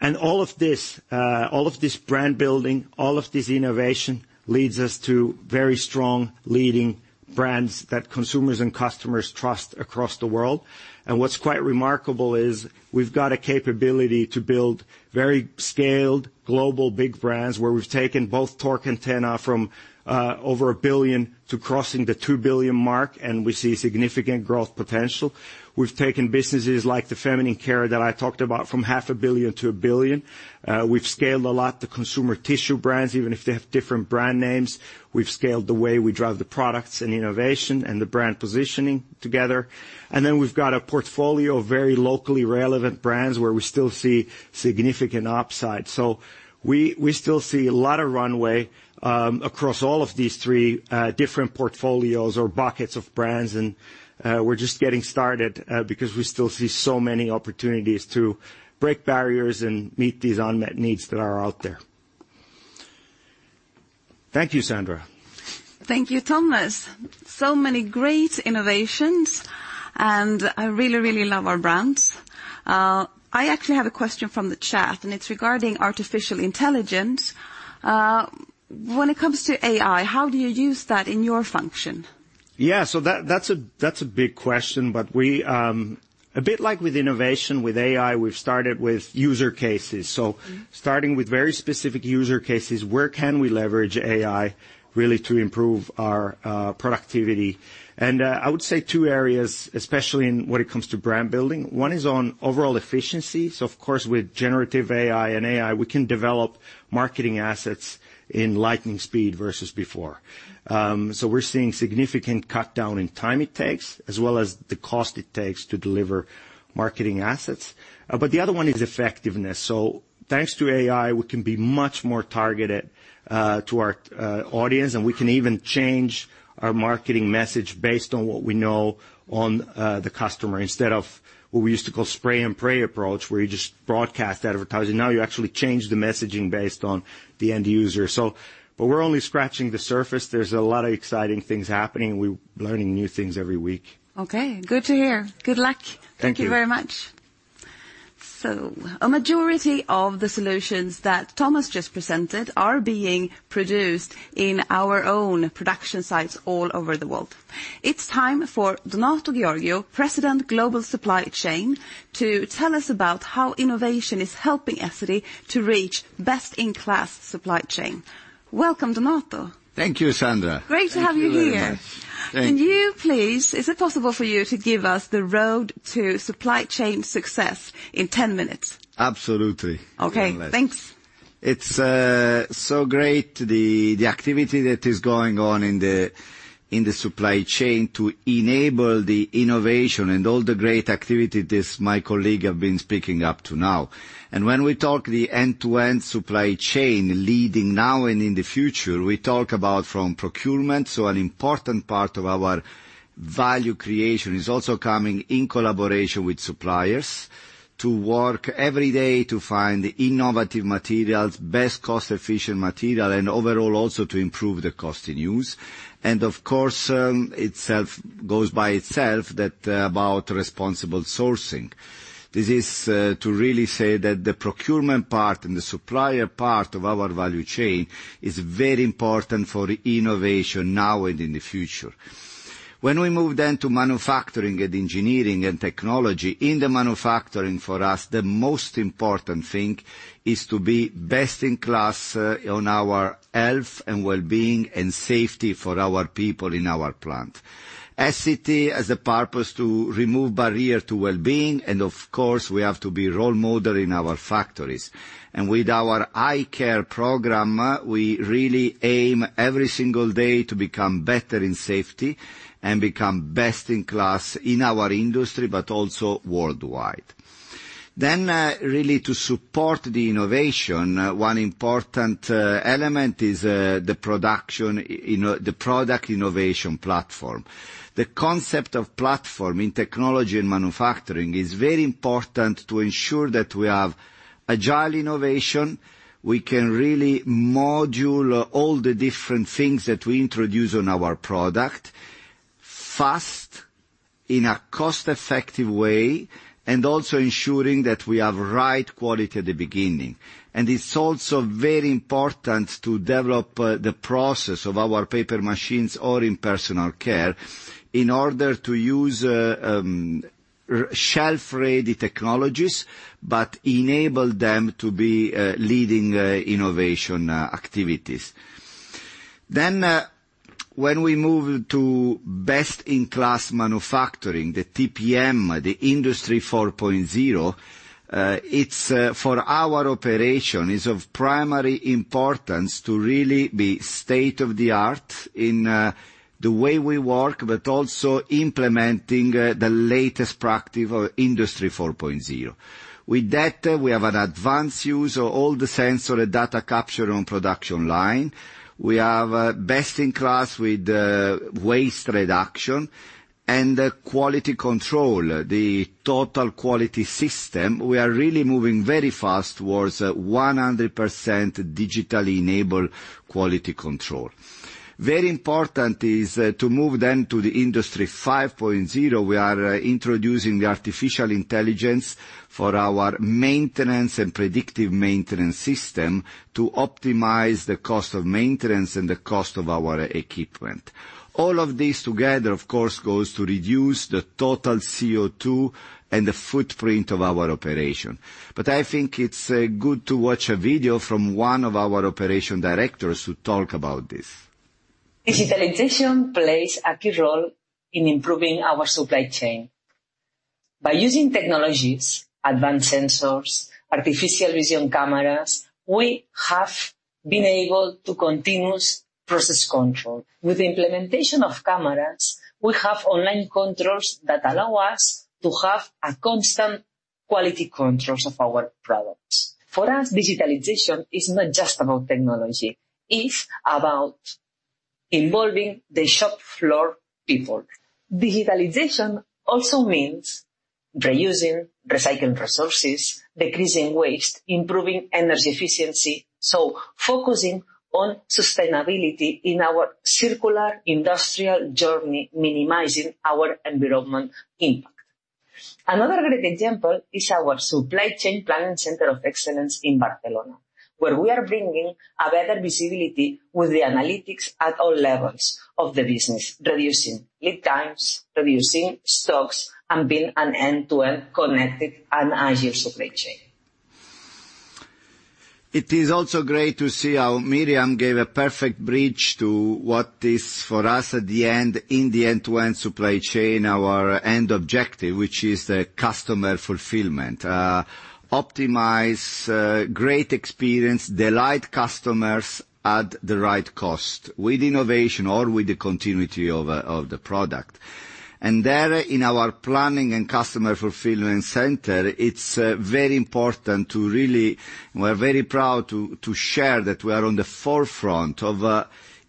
And all of this all of this brand building, all of this innovation, leads us to very strong leading brands that consumers and customers trust across the world. And what's quite remarkable is we've got a capability to build very scaled, global, big brands, where we've taken both Tork and TENA from over 1 billion to crossing the 2 billion mark, and we see significant growth potential. We've taken businesses like the Feminine Care that I talked about from 0.5 billion-1 billion. We've scaled a lot, the Consumer Tissue brands, even if they have different brand names. We've scaled the way we drive the products and innovation and the brand positioning together. And then we've got a portfolio of very locally relevant brands, where we still see significant upside. So we still see a lot of runway across all of these three different portfolios or buckets of brands, and we're just getting started because we still see so many opportunities to break barriers and meet these unmet needs that are out there. Thank you, Sandra. Thank you, Tuomas. So many great innovations, and I really, really love our brands. I actually have a question from the chat, and it's regarding artificial intelligence. When it comes to AI, how do you use that in your function? Yeah, so that, that's a big question, but we, a bit like with innovation, with AI, we've started with user cases. So starting with very specific user cases, where can we leverage AI really to improve our productivity? And I would say two areas, especially when it comes to brand building. One is on overall efficiency. So of course, with generative AI and AI, we can develop marketing assets in lightning speed versus before. So we're seeing significant cut down in time it takes, as well as the cost it takes to deliver marketing assets. But the other one is effectiveness. Thanks to AI, we can be much more targeted to our audience, and we can even change our marketing message based on what we know on the customer, instead of what we used to call spray and pray approach, where you just broadcast advertising. Now you actually change the messaging based on the end user. But we're only scratching the surface. There's a lot of exciting things happening. We're learning new things every week. Okay, good to hear. Good luck. Thank you. Thank you very much. A majority of the solutions that Tuomas just presented are being produced in our own production sites all over the world. It's time for Donato Giorgio, President, Global Supply Chain, to tell us about how innovation is helping Essity to reach best-in-class supply chain. Welcome, Donato. Thank you, Sandra. Great to have you here. Thank you very much. Thank you. Can you please, is it possible for you to give us the road to supply chain success in 10 minutes? Absolutely. Okay, thanks. It's so great, the activity that is going on in the supply chain to enable the innovation and all the great activity this my colleague have been speaking up to now. When we talk the end-to-end supply chain leading now and in the future, we talk about from procurement. So an important part of our value creation is also coming in collaboration with suppliers to work every day to find innovative materials, best cost-efficient material, and overall also to improve the cost in use. Of course, itself goes by itself that about responsible sourcing. This is to really say that the procurement part and the supplier part of our value chain is very important for innovation now and in the future. When we move then to manufacturing and engineering and technology, in the manufacturing, for us, the most important thing is to be best in class on our health and well-being and safety for our people in our plant. Essity has a purpose to remove barrier to well-being, and of course, we have to be role model in our factories. With our I Care program, we really aim every single day to become better in safety and become best in class in our industry, but also worldwide. Really to support the innovation, one important element is the production in the product innovation platform. The concept of platform in technology and manufacturing is very important to ensure that we have agile innovation. We can really module all the different things that we introduce on our product, fast, in a cost-effective way, and also ensuring that we have right quality at the beginning. It's also very important to develop the process of our paper machines or in Personal Care in order to use shelf-ready technologies, but enable them to be leading innovation activities. When we move to best-in-class manufacturing, the TPM, the Industry 4.0, it's for our operation is of primary importance to really be state-of-the-art in the way we work, but also implementing the latest practice of Industry 4.0. With that, we have an advanced use of all the sensory data capture on production line. We have best in class with waste reduction and quality control, the total quality system. We are really moving very fast towards 100% digitally enabled quality control. Very important is to move then to the Industry 5.0. We are introducing artificial intelligence for our maintenance and predictive maintenance system to optimize the cost of maintenance and the cost of our equipment. All of this together, of course, goes to reduce the total CO2 and the footprint of our operation. But I think it's good to watch a video from one of our operation directors who talk about this. Digitalization plays a key role in improving our supply chain. By using technologies, advanced sensors, artificial vision cameras, we have been able to have continuous process control. With the implementation of cameras, we have online controls that allow us to have a constant quality control of our products. For us, digitalization is not just about technology, it's about involving the shop floor people. Digitalization also means reusing, recycling resources, decreasing waste, improving energy efficiency, so focusing on sustainability in our circular industrial journey, minimizing our environmental impact. Another great example is our supply chain planning center of excellence in Barcelona, where we are bringing a better visibility with the analytics at all levels of the business, reducing lead times, reducing stocks, and being an end-to-end connected and agile supply chain. It is also great to see how Miriam gave a perfect bridge to what is for us, at the end, in the end-to-end supply chain, our end objective, which is the customer fulfillment. Optimize great experience, delight customers at the right cost, with innovation or with the continuity of, of the product. And there, in our planning and customer fulfillment center, it's very important to really... We're very proud to share that we are on the forefront of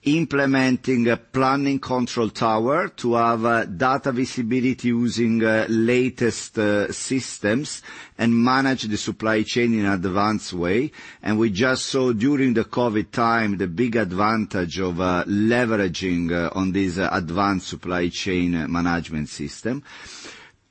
implementing a planning control tower to have data visibility using latest systems and manage the supply chain in advanced way. And we just saw during the COVID time, the big advantage of leveraging on this advanced supply chain management system.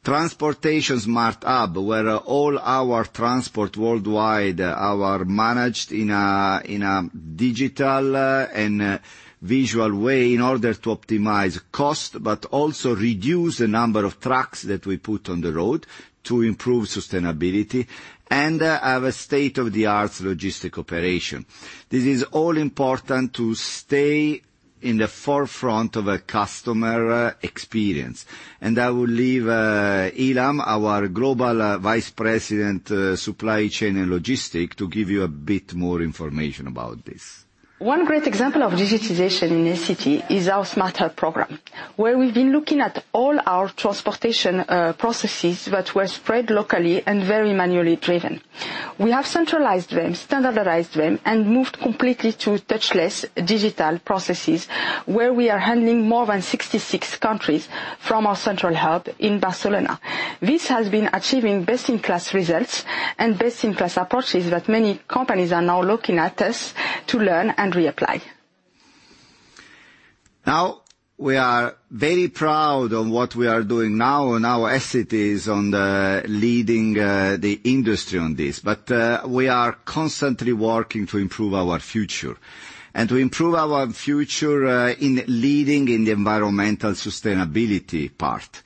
Transportation smart hub, where all our transport worldwide are managed in a digital and visual way in order to optimize cost, but also reduce the number of trucks that we put on the road to improve sustainability, and have a state-of-the-art logistics operation. This is all important to stay in the forefront of a customer experience. And I will leave Ilham, our Global Vice President, Supply Chain and Logistics, to give you a bit more information about this. One great example of digitization in Essity is our Smarter program, where we've been looking at all our transportation processes that were spread locally and very manually driven. We have centralized them, standardized them, and moved completely to touchless digital processes, where we are handling more than 66 countries from our central hub in Barcelona. This has been achieving best-in-class results and best-in-class approaches that many companies are now looking at us to learn and reapply. Now, we are very proud of what we are doing now, and our Essity is on the leading, the industry on this. But, we are constantly working to improve our future, and to improve our future, in leading in the environmental sustainability part.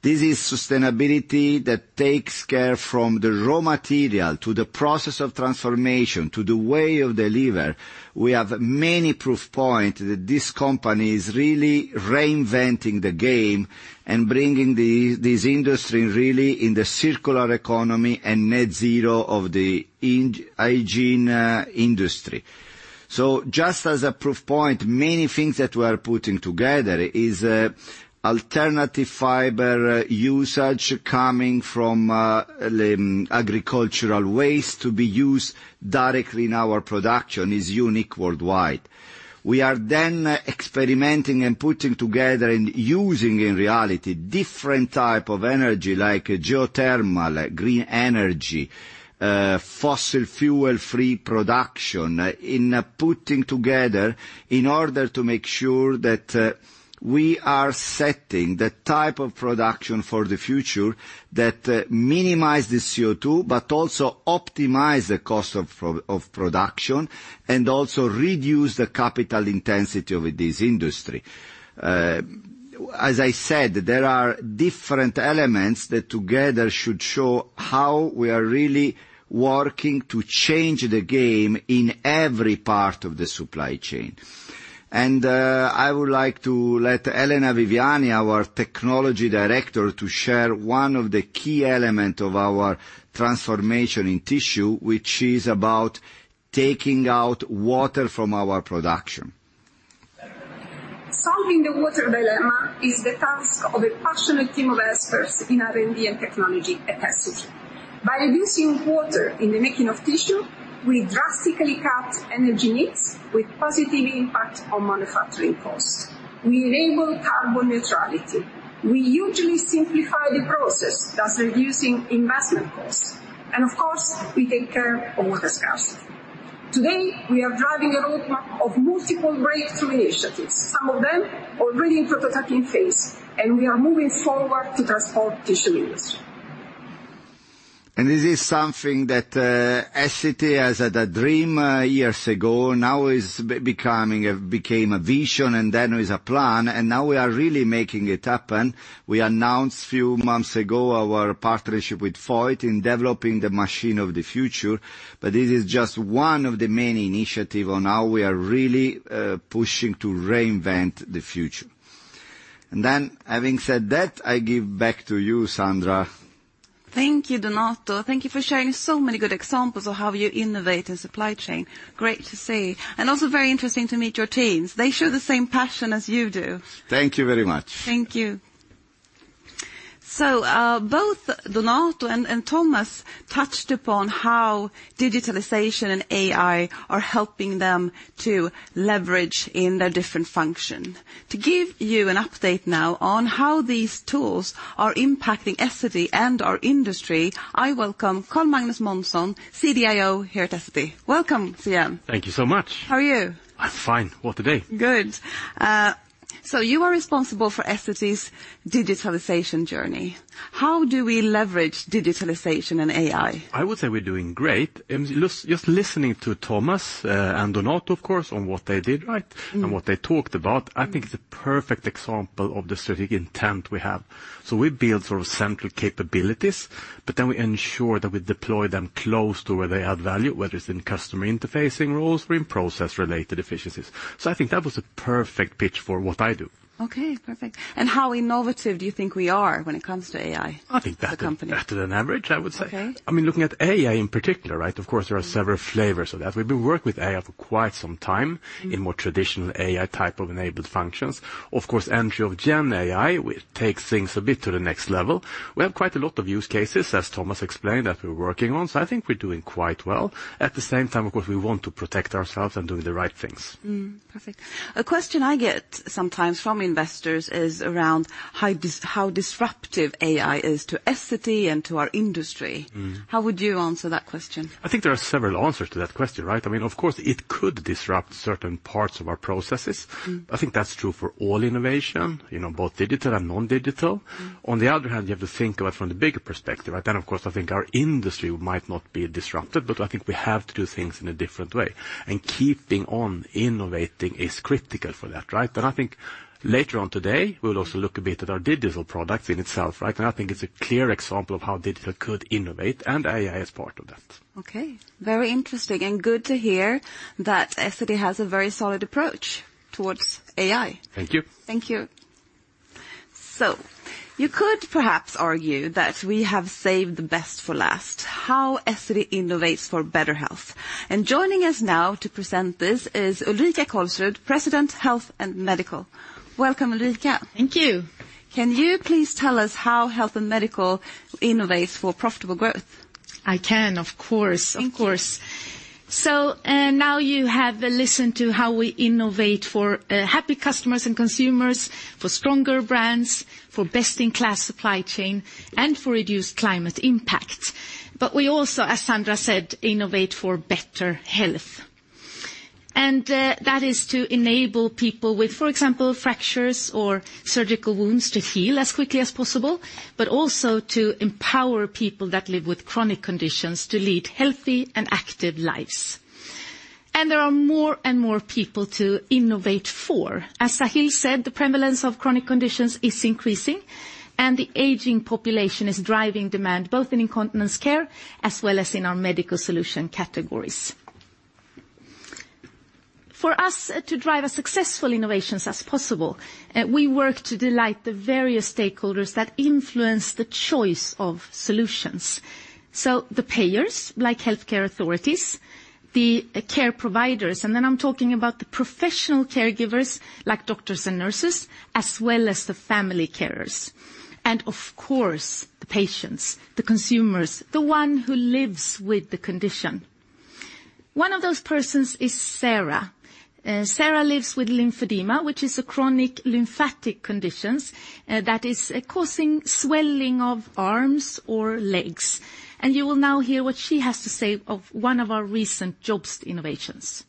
This is sustainability that takes care from the raw material, to the process of transformation, to the way of deliver. We have many proof point that this company is really reinventing the game and bringing the, this industry really in the circular economy and Net Zero of the hygiene, industry. So just as a proof point, many things that we are putting together is, alternative fiber usage coming from, agricultural waste to be used directly in our production is unique worldwide. We are then experimenting and putting together and using, in reality, different type of energy, like geothermal, green energy, fossil fuel-free production, in putting together in order to make sure that, we are setting the type of production for the future that, minimize the CO2, but also optimize the cost of production, and also reduce the capital intensity of this industry. As I said, there are different elements that together should show how we are really working to change the game in every part of the supply chain. I would like to let Elena Viviani, our Technology Director, to share one of the key element of our transformation in tissue, which is about taking out water from our production. Solving the water dilemma is the task of a passionate team of experts in R&D and technology at Essity. By reducing water in the making of tissue, we drastically cut energy needs with positive impact on manufacturing costs. We enable carbon neutrality. We hugely simplify the process, thus reducing investment costs. And of course, we take care of water scarcity. Today, we are driving a roadmap of multiple breakthrough initiatives, some of them already in prototyping phase, and we are moving forward to transform tissue industry. This is something that Essity has had a dream years ago, now is becoming a vision, and then is a plan, and now we are really making it happen. We announced a few months ago our partnership with Voith in developing the machine of the future, but this is just one of the many initiatives on how we are really pushing to reinvent the future. Then, having said that, I give back to you, Sandra. Thank you, Donato. Thank you for sharing so many good examples of how you innovate in supply chain. Great to see, and also very interesting to meet your teams. They share the same passion as you do. Thank you very much. Thank you. So, both Donato and Tuomas touched upon how digitalization and AI are helping them to leverage in their different function. To give you an update now on how these tools are impacting Essity and our industry, I welcome Carl Magnus Månsson, CDIO here at Essity. Welcome, CM. Thank you so much. How are you? I'm fine. What a day! Good. So you are responsible for Essity's digitalization journey. How do we leverage digitalization and AI? I would say we're doing great, and just, just listening to Tuomas, and Donato, of course, on what they did right and what they talked about, I think is a perfect example of the strategic intent we have. So we build sort of central capabilities, but then we ensure that we deploy them close to where they add value, whether it's in customer interfacing roles or in process-related efficiencies. So I think that was a perfect pitch for what I do. Okay, perfect. And how innovative do you think we are when it comes to AI as a company? I think better than average, I would say. Okay. I mean, looking at AI in particular, right? Of course, there are several flavors of that. We've been working with AI for quite some time in more traditional AI type of enabled functions. Of course, entry of GenAI, which takes things a bit to the next level. We have quite a lot of use cases, as Tuomas explained, that we're working on, so I think we're doing quite well. At the same time, of course, we want to protect ourselves and doing the right things. Perfect. A question I get sometimes from investors is around how disruptive AI is to Essity and to our industry. How would you answer that question? I think there are several answers to that question, right? I mean, of course, it could disrupt certain parts of our processes. I think that's true for all innovation, you know, both digital and non-digital. On the other hand, you have to think about from the bigger perspective, right? Then, of course, I think our industry might not be disrupted, but I think we have to do things in a different way, and keeping on innovating is critical for that, right? And I think later on today, we'll also look a bit at our digital products in itself, right? And I think it's a clear example of how digital could innovate, and AI is part of that. Okay, very interesting and good to hear that Essity has a very solid approach toward AI. Thank you. Thank you. You could perhaps argue that we have saved the best for last: how Essity innovates for better health. Joining us now to present this is Ulrika Kolsrud, President, Health and Medical. Welcome, Ulrika. Thank you. Can you please tell us how Health and Medical innovates for profitable growth? I can, of course, of course. Thank you. So, now you have listened to how we innovate for happy customers and consumers, for stronger brands, for best-in-class supply chain, and for reduced climate impact. But we also, as Sandra said, innovate for better health. That is to enable people with, for example, fractures or surgical wounds, to heal as quickly as possible, but also to empower people that live with chronic conditions to lead healthy and active lives. There are more and more people to innovate for. As Sahil said, the prevalence of chronic conditions is increasing, and the aging population is driving demand, both in incontinence care as well as in our medical solution categories. For us to drive as successful innovations as possible, we work to delight the various stakeholders that influence the choice of solutions. So the payers, like healthcare authorities, the care providers, and then I'm talking about the professional caregivers, like doctors and nurses, as well as the family carers, and of course, the patients, the consumers, the one who lives with the condition. One of those persons is Sarah. Sarah lives with lymphedema, which is a chronic lymphatic condition, that is causing swelling of arms or legs. And you will now hear what she has to say of one of our recent JOBST innovations.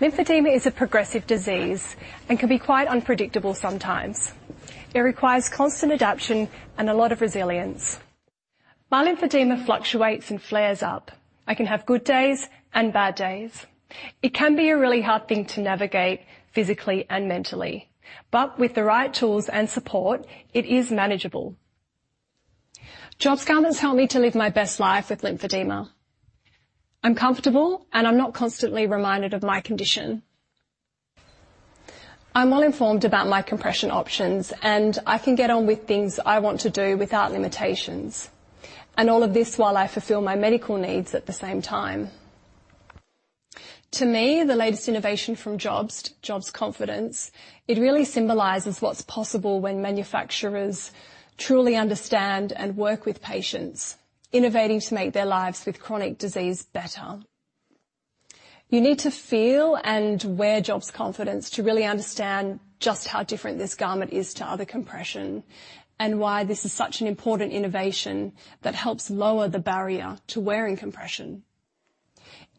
lymphedema is a progressive disease and can be quite unpredictable sometimes. It requires constant adaptation and a lot of resilience. My lymphedema fluctuates and flares up. I can have good days and bad days. It can be a really hard thing to navigate physically and mentally, but with the right tools and support, it is manageable. JOBST garment has helped me to live my best life with lymphedema. I'm comfortable, and I'm not constantly reminded of my condition. I'm well informed about my compression options, and I can get on with things I want to do without limitations. And all of this while I fulfill my medical needs at the same time. To me, the latest innovation from JOBST, JOBST Confidence, it really symbolizes what's possible when manufacturers truly understand and work with patients, innovating to make their lives with chronic disease better. You need to feel and wear JOBST Confidence to really understand just how different this garment is to other compression and why this is such an important innovation that helps lower the barrier to wearing compression.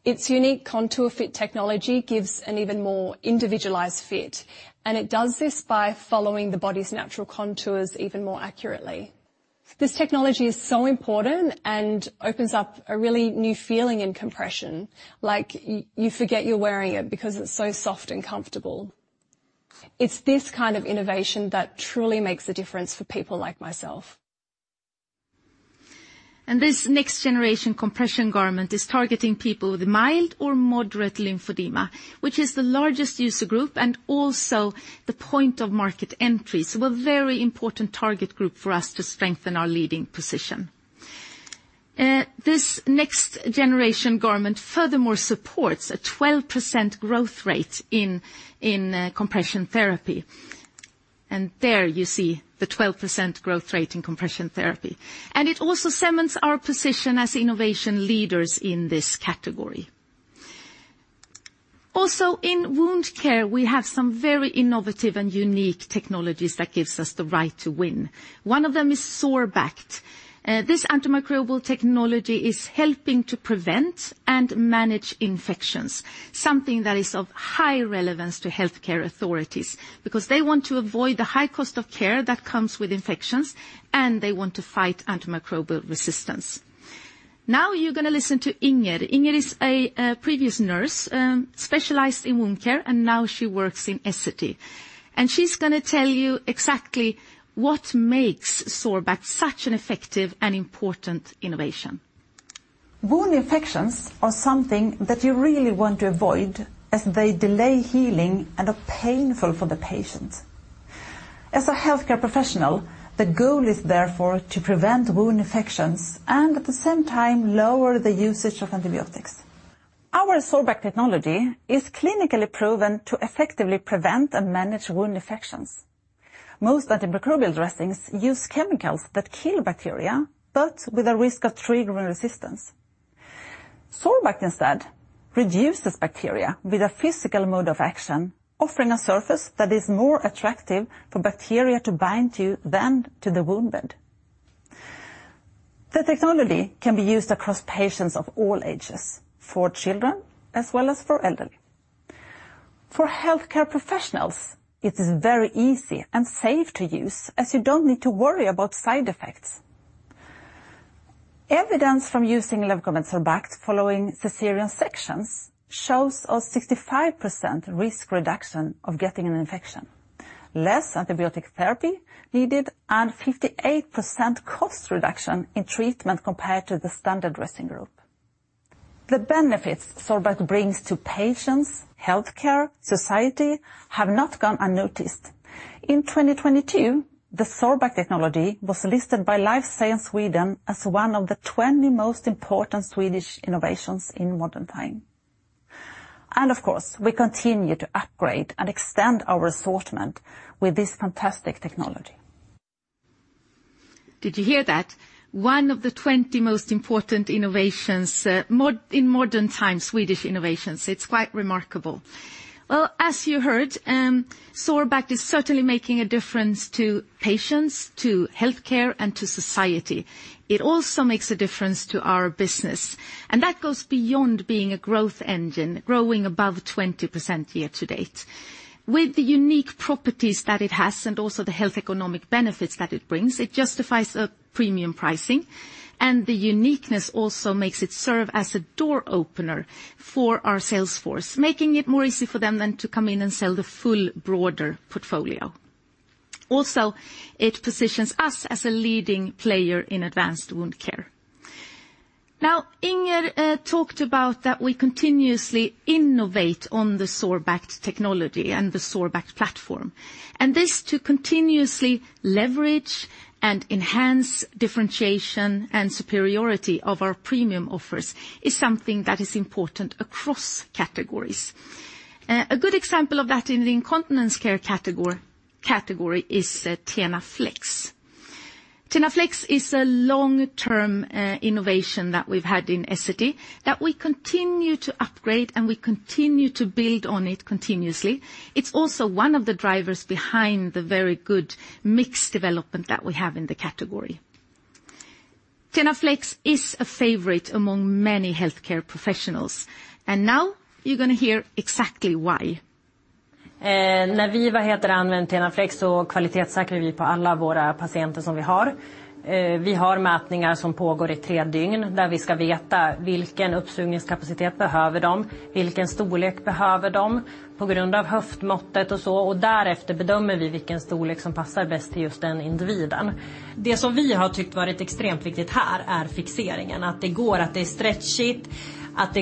Its unique contour fit technology gives an even more individualized fit, and it does this by following the body's natural contours even more accurately. This technology is so important and opens up a really new feeling in compression, like you forget you're wearing it because it's so soft and comfortable. It's this kind of innovation that truly makes a difference for people like myself. This next generation compression garment is targeting people with mild or moderate lymphedema, which is the largest user group and also the point of market entry. So a very important target group for us to strengthen our leading position. This next generation garment furthermore supports a 12% growth rate in compression therapy. And there you see the 12% growth rate in compression therapy. And it also cements our position as innovation leaders in this category. Also, in wound care, we have some very innovative and unique technologies that gives us the right to win. One of them is Sorbact, this antimicrobial technology is helping to prevent and manage infections, something that is of high relevance to healthcare authorities, because they want to avoid the high cost of care that comes with infections, and they want to fight antimicrobial resistance. Now you're gonna listen to Inger. Inger is a previous nurse, specialized in wound care, and now she works in Essity. And she's gonna tell you exactly what makes Sorbact such an effective and important innovation. Wound infections are something that you really want to avoid, as they delay healing and are painful for the patient. As a healthcare professional, the goal is therefore to prevent wound infections and, at the same time, lower the usage of antibiotics. Our Sorbact technology is clinically proven to effectively prevent and manage wound infections. Most antimicrobial dressings use chemicals that kill bacteria, but with a risk of triggering resistance. Sorbact instead reduces bacteria with a physical mode of action, offering a surface that is more attractive for bacteria to bind to than to the wound bed. The technology can be used across patients of all ages, for children as well as for elderly. For healthcare professionals, it is very easy and safe to use, as you don't need to worry about side effects. Evidence from using Leukomed Sorbact following cesarean sections shows a 65% risk reduction of getting an infection, less antibiotic therapy needed, and 58% cost reduction in treatment compared to the standard dressing group. The benefits Sorbact brings to patients, healthcare, society, have not gone unnoticed. In 2022, the Sorbact technology was listed by Life Science Sweden as one of the 20 most important Swedish innovations in modern time. Of course, we continue to upgrade and extend our assortment with this fantastic technology. Did you hear that? One of the 20 most important innovations in modern times, Swedish innovations. It's quite remarkable. Well, as you heard, Sorbact is certainly making a difference to patients, to healthcare, and to society. It also makes a difference to our business, and that goes beyond being a growth engine, growing above 20% year-to-date. With the unique properties that it has, and also the health economic benefits that it brings, it justifies a premium pricing, and the uniqueness also makes it serve as a door opener for our sales force, making it more easy for them than to come in and sell the full, broader portfolio. Also, it positions us as a leading player in advanced wound care. Now, Inger talked about that we continuously innovate on the Sorbact technology and the Sorbact platform, and this to continuously leverage and enhance differentiation and superiority of our premium offers is something that is important across categories. A good example of that in the incontinence care category is the TENA Flex. TENA Flex is a long-term innovation that we've had in Essity that we continue to upgrade, and we continue to build on it continuously. It's also one of the drivers behind the very good mix development that we have in the category. TENA Flex is a favorite among many healthcare professionals, and now you're gonna hear exactly why. When we use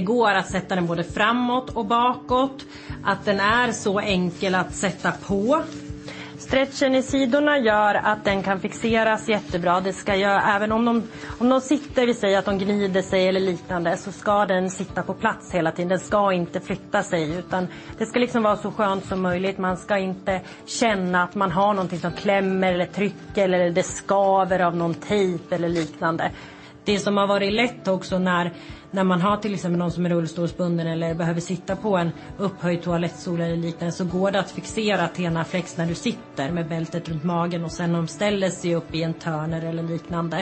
TENA Flex, we quality assure all of our patients that we have. We have measurements that continue for three days, where we need to know what absorption capacity they need, what size they need based on their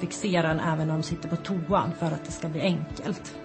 hip measurement and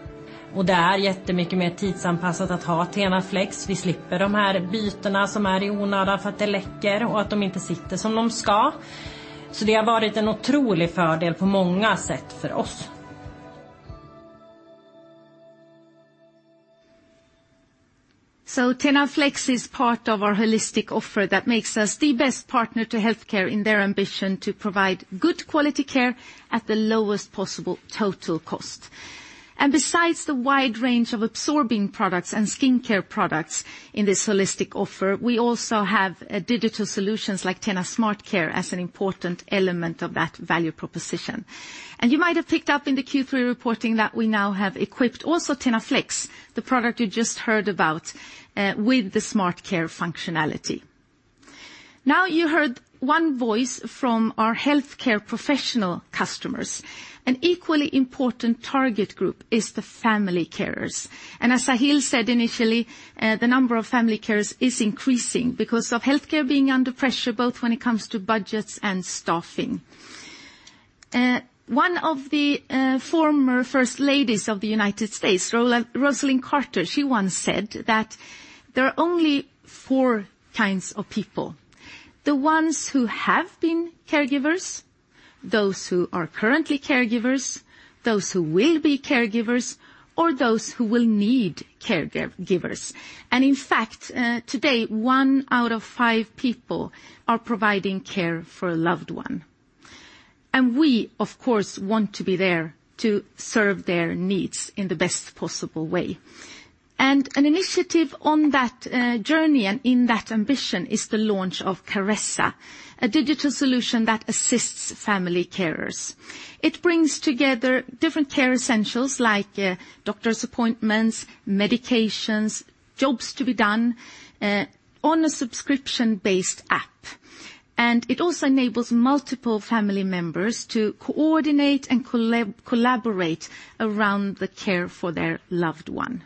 And besides the wide range of absorbing products and skincare products in this holistic offer, we also have digital solutions like TENA SmartCare as an important element of that value proposition. And you might have picked up in the Q3 reporting that we now have equipped also TENA Flex, the product you just heard about, with the SmartCare functionality. Now, you heard one voice from our healthcare professional customers. An equally important target group is the family carers. And as Sahil said initially, the number of family carers is increasing because of healthcare being under pressure, both when it comes to budgets and staffing.... One of the former First Ladies of the United States, Rosalynn Carter, once said that there are only four kinds of people: the ones who have been caregivers, those who are currently caregivers, those who will be caregivers, or those who will need caregivers. In fact, today, one out of five people are providing care for a loved one, and we, of course, want to be there to serve their needs in the best possible way. An initiative on that journey and in that ambition is the launch of Caressa, a digital solution that assists family carers. It brings together different care essentials like doctor's appointments, medications, jobs to be done, on a subscription-based app. It also enables multiple family members to coordinate and collaborate around the care for their loved one.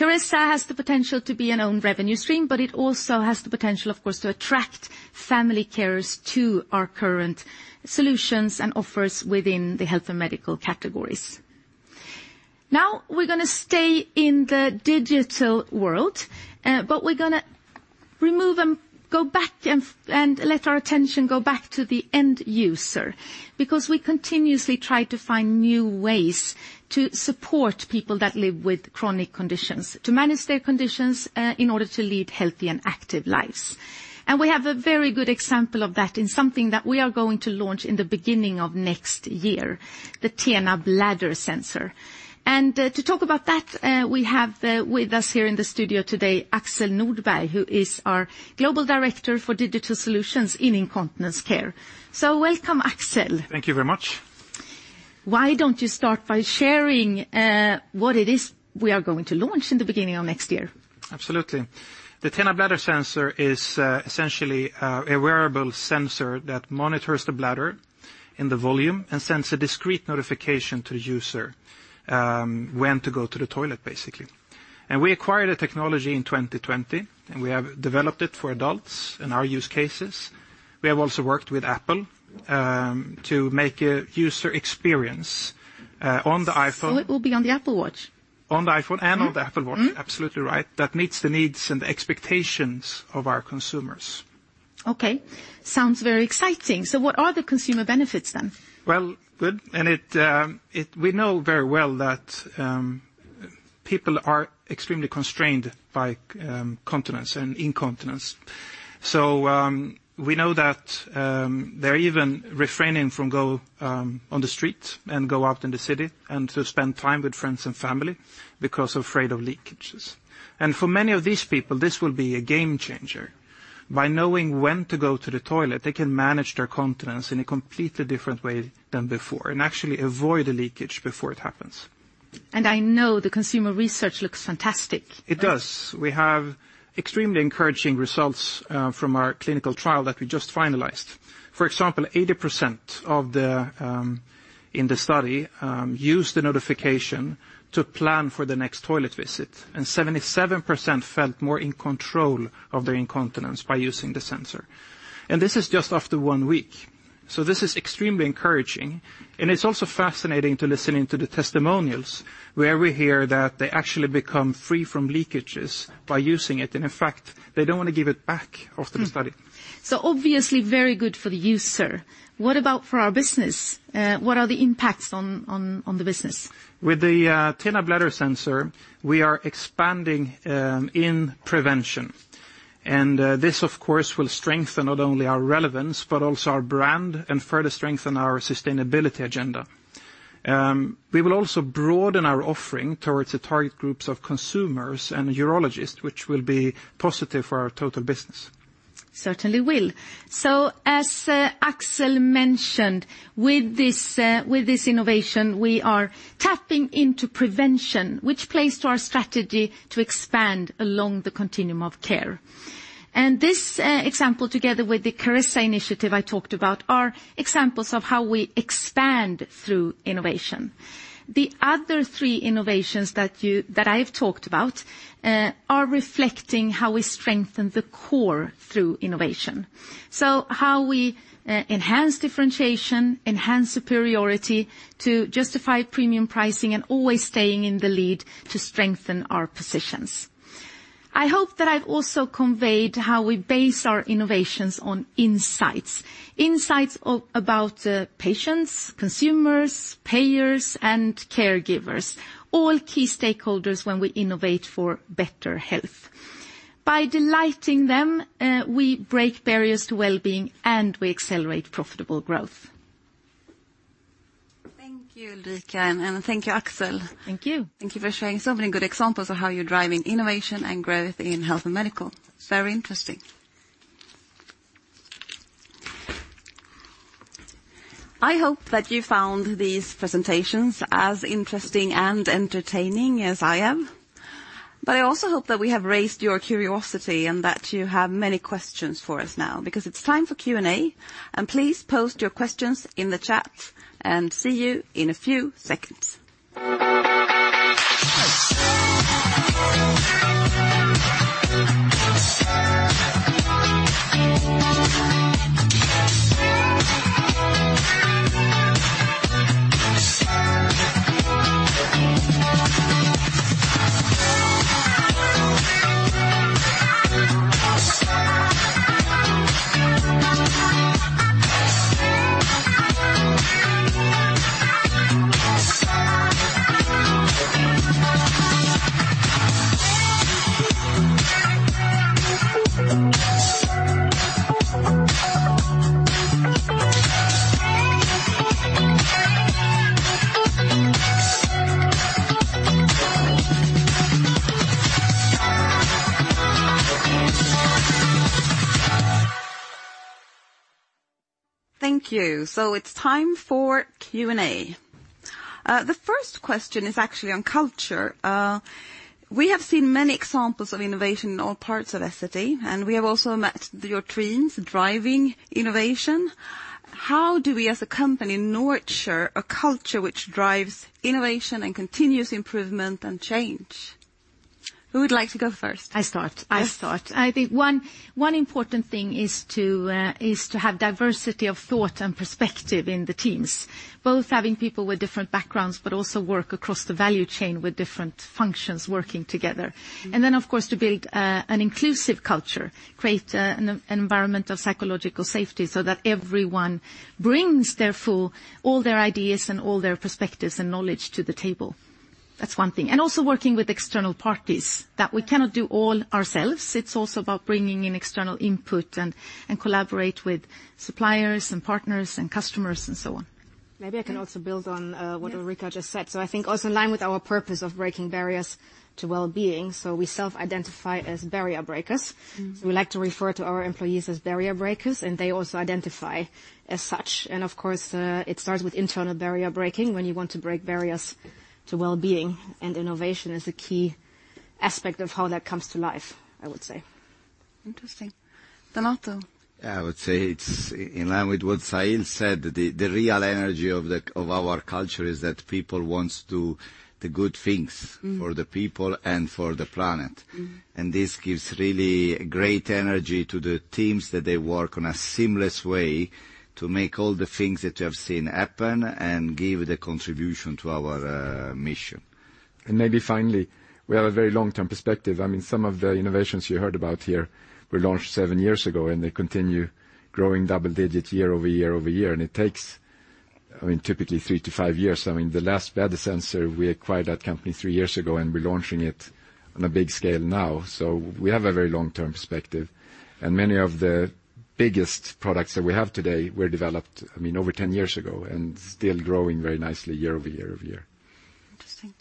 Caressa has the potential to be an own revenue stream, but it also has the potential, of course, to attract family carers to our current solutions and offers within the Health and Medical categories. Now we're gonna stay in the digital world, but we're gonna remove and go back and, and let our attention go back to the end user, because we continuously try to find new ways to support people that live with chronic conditions, to manage their conditions, in order to lead healthy and active lives. We have a very good example of that in something that we are going to launch in the beginning of next year, the TENA Bladder Sensor. To talk about that, we have with us here in the studio today, Axel Nordberg, who is our Global Director for Digital Solutions in Incontinence Care. So welcome, Axel. Thank you very much. Why don't you start by sharing what it is we are going to launch in the beginning of next year? Absolutely. The TENA bladder sensor is essentially a wearable sensor that monitors the bladder and the volume and sends a discreet notification to the user when to go to the toilet, basically. And we acquired the technology in 2020, and we have developed it for adults in our use cases. We have also worked with Apple to make a user experience on the iPhone. So it will be on the Apple Watch? On the iPhone and on the Apple Watch. Absolutely right. That meets the needs and expectations of our consumers. Okay, sounds very exciting. What are the consumer benefits, then? Well, we know very well that people are extremely constrained by continence and incontinence. So, we know that they're even refraining from go on the street and go out in the city and to spend time with friends and family because afraid of leakages. And for many of these people, this will be a game changer. By knowing when to go to the toilet, they can manage their continence in a completely different way than before and actually avoid the leakage before it happens. I know the consumer research looks fantastic. It does. We have extremely encouraging results from our clinical trial that we just finalized. For example, 80% of the in the study used the notification to plan for the next toilet visit, and 77% felt more in control of their incontinence by using the sensor. And this is just after one week, so this is extremely encouraging, and it's also fascinating to listening to the testimonials, where we hear that they actually become free from leakages by using it, and in fact, they don't want to give it back after the study. Obviously very good for the user. What about for our business? What are the impacts on the business? With the TENA bladder sensor, we are expanding in prevention, and this of course will strengthen not only our relevance, but also our brand and further strengthen our sustainability agenda. We will also broaden our offering towards the target groups of consumers and urologists, which will be positive for our total business. Certainly will. So as Axel mentioned, with this innovation, we are tapping into prevention, which plays to our strategy to expand along the continuum of care. And this example, together with the Caressa initiative I talked about, are examples of how we expand through innovation. The other three innovations that you, that I've talked about, are reflecting how we strengthen the core through innovation. So how we enhance differentiation, enhance superiority to justify premium pricing, and always staying in the lead to strengthen our positions. I hope that I've also conveyed how we base our innovations on insights about patients, consumers, payers, and caregivers, all key stakeholders when we innovate for better health. By delighting them, we break barriers to well-being, and we accelerate profitable growth. Thank you, Ulrika, and thank you, Axel. Thank you. Thank you for sharing so many good examples of how you're driving innovation and growth in Health and Medical. Very interesting. I hope that you found these presentations as interesting and entertaining as I am, but I also hope that we have raised your curiosity and that you have many questions for us now, because it's time for Q&A, and please post your questions in the chat, and see you in a few seconds. ... Thank you. So it's time for Q&A. The first question is actually on culture. We have seen many examples of innovation in all parts of Essity, and we have also met your teams driving innovation. How do we, as a company, nurture a culture which drives innovation and continuous improvement and change? Who would like to go first? I'll start. Yes. I'll start. I think one important thing is to have diversity of thought and perspective in the teams. Both having people with different backgrounds, but also work across the value chain with different functions working together. And then, of course, to build an inclusive culture, create an environment of psychological safety so that everyone brings their full... All their ideas and all their perspectives and knowledge to the table. That's one thing. And also working with external parties, that we cannot do all ourselves. It's also about bringing in external input and collaborate with suppliers and partners and customers, and so on. Maybe I can also build on, Yeah. What Ulrika just said. So I think also in line with our purpose of breaking barriers to wellbeing, so we self-identify as barrier breakers. We like to refer to our employees as barrier breakers, and they also identify as such. Of course, it starts with internal barrier breaking when you want to break barriers to well-being, and innovation is a key aspect of how that comes to life, I would say. Interesting. Donato? Yeah, I would say it's in line with what Sahil said. The real energy of our culture is that people wants to do the good things for the people and for the planet. And this gives really great energy to the teams, that they work on a seamless way to make all the things that you have seen happen and give the contribution to our mission. Maybe finally, we have a very long-term perspective. I mean, some of the innovations you heard about here were launched seven years ago, and they continue growing double digits year-over-year, and it takes, I mean, typically three to five years. I mean, the last sensor, we acquired that company three years ago, and we're launching it on a big scale now. So we have a very long-term perspective, and many of the biggest products that we have today were developed, I mean, over 10 years ago and still growing very nicely year-over-year. Interesting.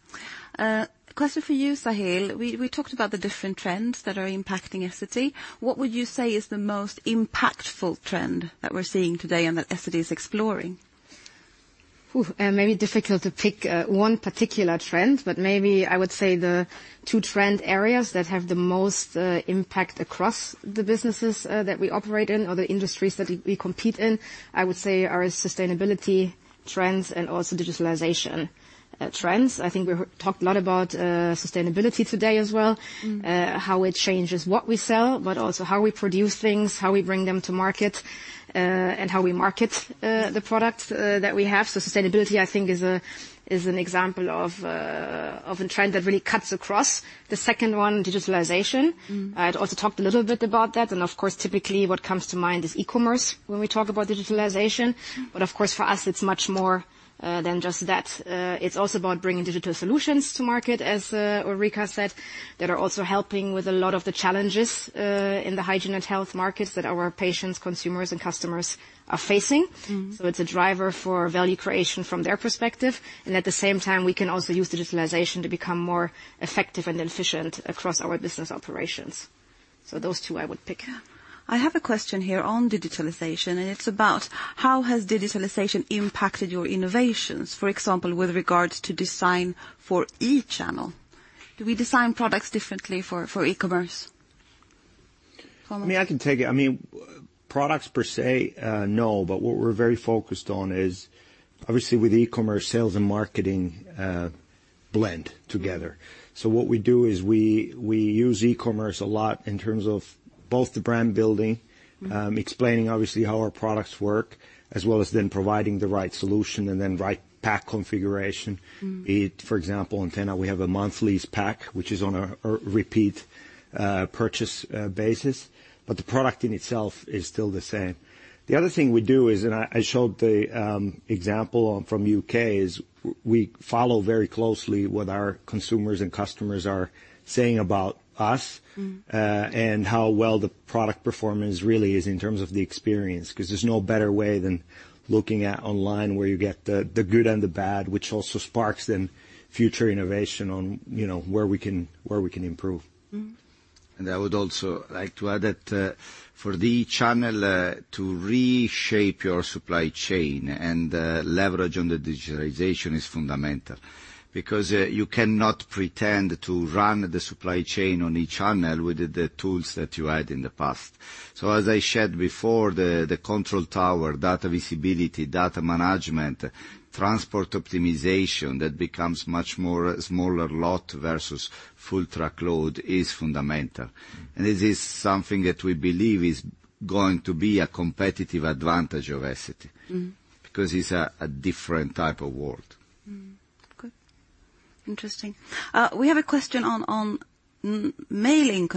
Question for you, Sahil. We talked about the different trends that are impacting Essity. What would you say is the most impactful trend that we're seeing today and that Essity is exploring? Ooh, maybe difficult to pick one particular trend, but maybe I would say the two trend areas that have the most impact across the businesses that we operate in or the industries that we compete in. I would say are sustainability trends and also digitalization trends. I think we talked a lot about sustainability today as well how it changes what we sell, but also how we produce things, how we bring them to market, and how we market the products that we have. So sustainability, I think, is an example of a trend that really cuts across. The second one, digitalization. I'd also talked a little bit about that, and of course, typically what comes to mind is e-commerce when we talk about digitalization. But of course, for us, it's much more than just that. It's also about bringing digital solutions to market, as Ulrika said, that are also helping with a lot of the challenges in the hygiene and health markets that our patients, consumers, and customers are facing. It's a driver for value creation from their perspective, and at the same time, we can also use digitalization to become more effective and efficient across our business operations. Those two I would pick. I have a question here on digitalization, and it's about: how has digitalization impacted your innovations, for example, with regards to design for e-channel? Do we design products differently for e-commerce? Tuomas? I mean, I can take it. I mean, products per se, no, but what we're very focused on is, obviously, with e-commerce, sales and marketing blend together. So what we do is we, we use e-commerce a lot in terms of both the brand building explaining obviously how our products work, as well as then providing the right solution and then right pack configuration. Be it, for example, TENA. We have a monthly pack, which is on a repeat purchase basis, but the product in itself is still the same. The other thing we do is... And I showed the example from U.K., we follow very closely what our consumers and customers are saying about us and how well the product performance really is in terms of the experience. 'Cause there's no better way than looking at online, where you get the good and the bad, which also sparks then future innovation on, you know, where we can improve. And I would also like to add that, for the channel, to reshape your supply chain and, leverage on the digitalization is fundamental. Because, you cannot pretend to run the supply chain on e-channel with the tools that you had in the past.... So as I said before, the control tower, data visibility, data management, transport optimization, that becomes much more smaller lot versus full truckload is fundamental. And this is something that we believe is going to be a competitive advantage of Essity because it's a different type of world. Good. Interesting. We have a question on male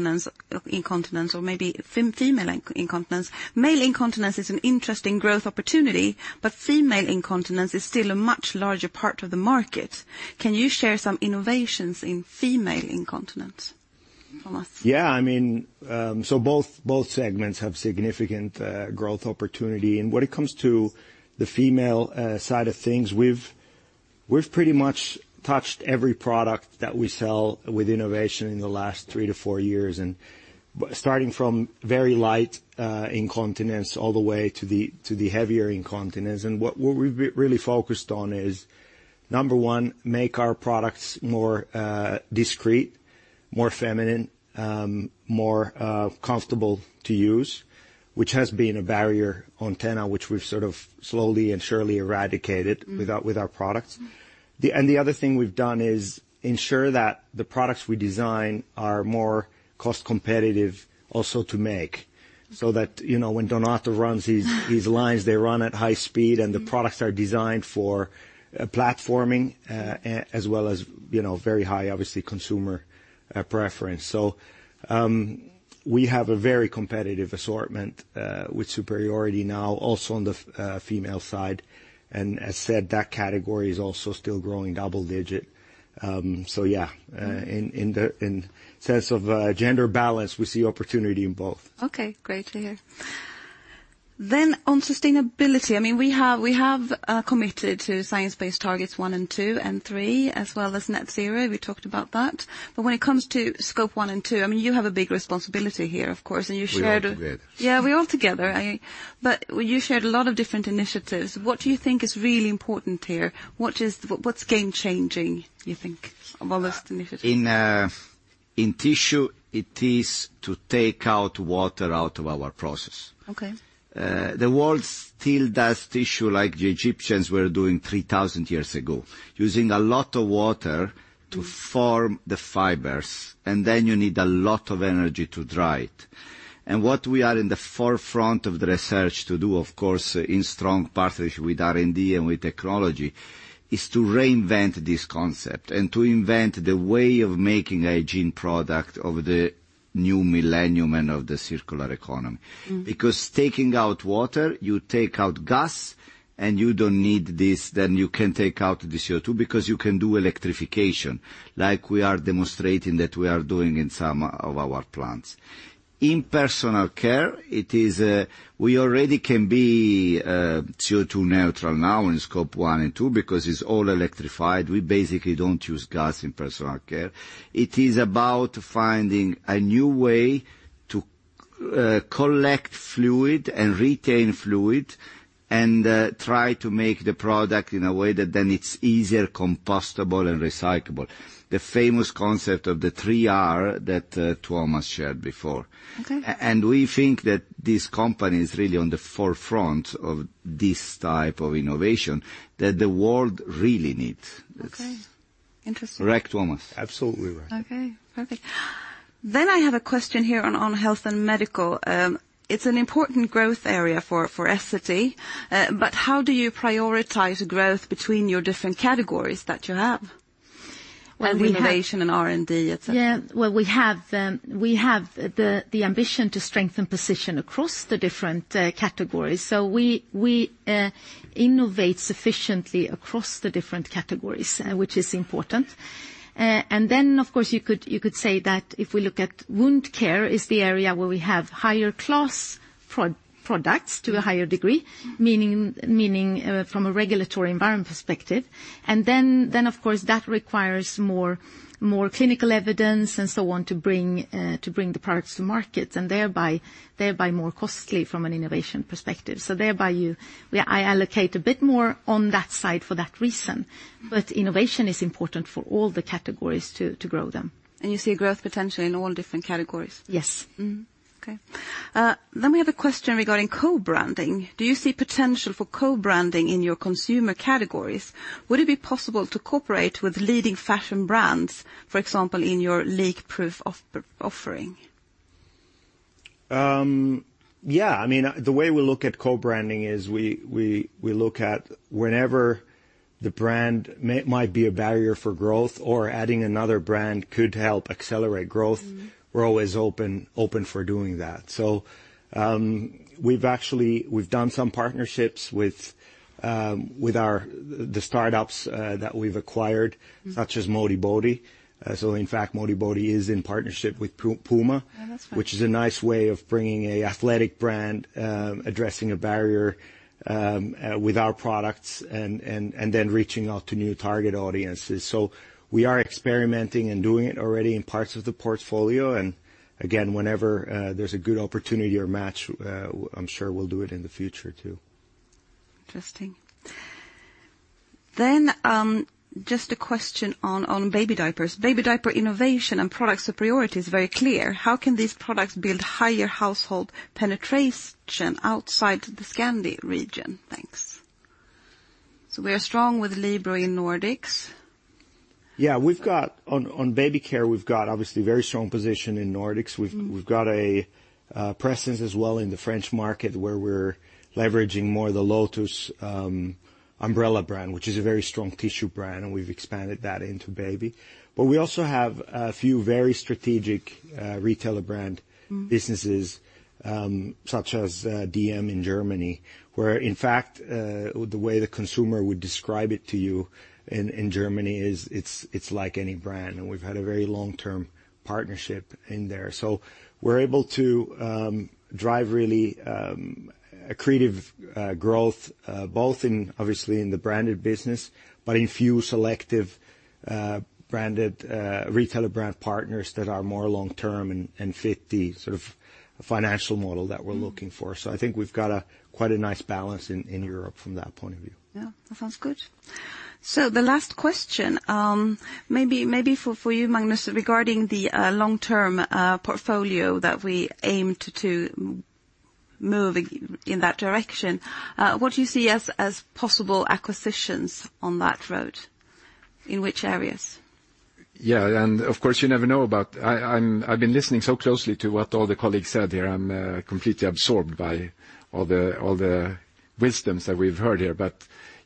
incontinence or maybe female incontinence. Male incontinence is an interesting growth opportunity, but female incontinence is still a much larger part of the market. Can you share some innovations in female incontinence, Tuomas? Yeah, I mean, so both, both segments have significant growth opportunity. And when it comes to the female side of things, we've, we've pretty much touched every product that we sell with innovation in the last three to four years, and starting from very light incontinence all the way to the heavier incontinence. And what, what we've really focused on is, number one, make our products more discreet, more feminine, more comfortable to use, which has been a barrier on TENA, which we've sort of slowly and surely eradicated with our products. The other thing we've done is ensure that the products we design are more cost competitive also to make. So that, you know, when Donato runs his lines, they run at high speed. And the products are designed for platforming, as well as, you know, very high, obviously, consumer preference. So, we have a very competitive assortment with superiority now also on the female side. And as said, that category is also still growing double digit. So yeah, in the sense of gender balance, we see opportunity in both. Okay, great to hear. Then on sustainability, I mean, we have committed to science-based targets one and two and three, as well as Net Zero. We talked about that. But when it comes to Scope 1 and 2, I mean, you have a big responsibility here, of course, and you shared. We are all together. Yeah, we're all together. But you shared a lot of different initiatives. What do you think is really important here? What's game changing, you think, of all those initiatives? In tissue, it is to take out water out of our process. Okay. The world still does tissue like the Egyptians were doing 3,000 years ago, using a lot of water to form the fibers, and then you need a lot of energy to dry it. What we are in the forefront of the research to do, of course, in strong partnership with R&D and with technology, is to reinvent this concept and to invent the way of making hygiene product of the new millennium and of the circular economy. Because taking out water, you take out gas, and you don't need this. Then you can take out the CO2 because you can do electrification, like we are demonstrating that we are doing in some of our plants. In personal care, it is, we already can be, CO2 neutral now in Scope 1 and 2, because it's all electrified. We basically don't use gas in personal care. It is about finding a new way to, collect fluid and retain fluid and, try to make the product in a way that then it's easier, compostable and recyclable. The famous concept of the Three Rs that, Tuomas shared before. Okay. And we think that this company is really on the forefront of this type of innovation that the world really needs. Okay. Interesting. Right, Tuomas? Absolutely right. Okay, perfect. Then I have a question here on Health and Medical. It's an important growth area for Essity, but how do you prioritize growth between your different categories that you have? Well, we have- Innovation and R&D, etc? Yeah. Well, we have the ambition to strengthen position across the different categories. So we innovate sufficiently across the different categories, which is important. And then, of course, you could say that if we look at wound care is the area where we have higher class products to a higher degree from a regulatory environment perspective. And then, of course, that requires more clinical evidence and so on, to bring the products to market, and thereby more costly from an innovation perspective. So, thereby, I allocate a bit more on that side for that reason. Innovation is important for all the categories to grow them. You see growth potential in all different categories? Yes. Okay. Then we have a question regarding co-branding. Do you see potential for co-branding in your consumer categories? Would it be possible to cooperate with leading fashion brands, for example, in your leakproof offering? Yeah. I mean, the way we look at co-branding is we look at whenever the brand might be a barrier for growth or adding another brand could help accelerate growth, we're always open, open for doing that. So, we've actually, we've done some partnerships with, with our, the startups, that we've acquired such as Modibodi. So in fact, Modibodi is in partnership with Puma. Oh, that's fine. Which is a nice way of bringing a athletic brand, addressing a barrier, with our products and then reaching out to new target audiences. So we are experimenting and doing it already in parts of the portfolio. And again, whenever there's a good opportunity or match, I'm sure we'll do it in the future too. Interesting... Then, just a question on Baby diapers. Baby diaper innovation and product superiority is very clear. How can these products build higher household penetration outside the Scandi region? Thanks. So we are strong with Libero in Nordics. Yeah, we've got on Baby care, we've got obviously a very strong position in Nordics. We've got a presence as well in the French market, where we're leveraging more of the Lotus umbrella brand, which is a very strong tissue brand, and we've expanded that into Baby. But we also have a few very strategic retailer brand businesses, such as, dm in Germany, where in fact, the way the consumer would describe it to you in, in Germany is it's, it's like any brand, and we've had a very long-term partnership in there. So we're able to, drive really, accretive, growth, both in obviously in the branded business, but in few selective, branded, retailer brand partners that are more long-term and, and fit the sort of financial model that we're looking for. So I think we've got quite a nice balance in Europe from that point of view. Yeah, that sounds good. So the last question, maybe for you, Magnus, regarding the long-term portfolio that we aimed to move in that direction. What do you see as possible acquisitions on that road? In which areas? Yeah, and of course, you never know about... I've been listening so closely to what all the colleagues said here. I'm completely absorbed by all the wisdoms that we've heard here. But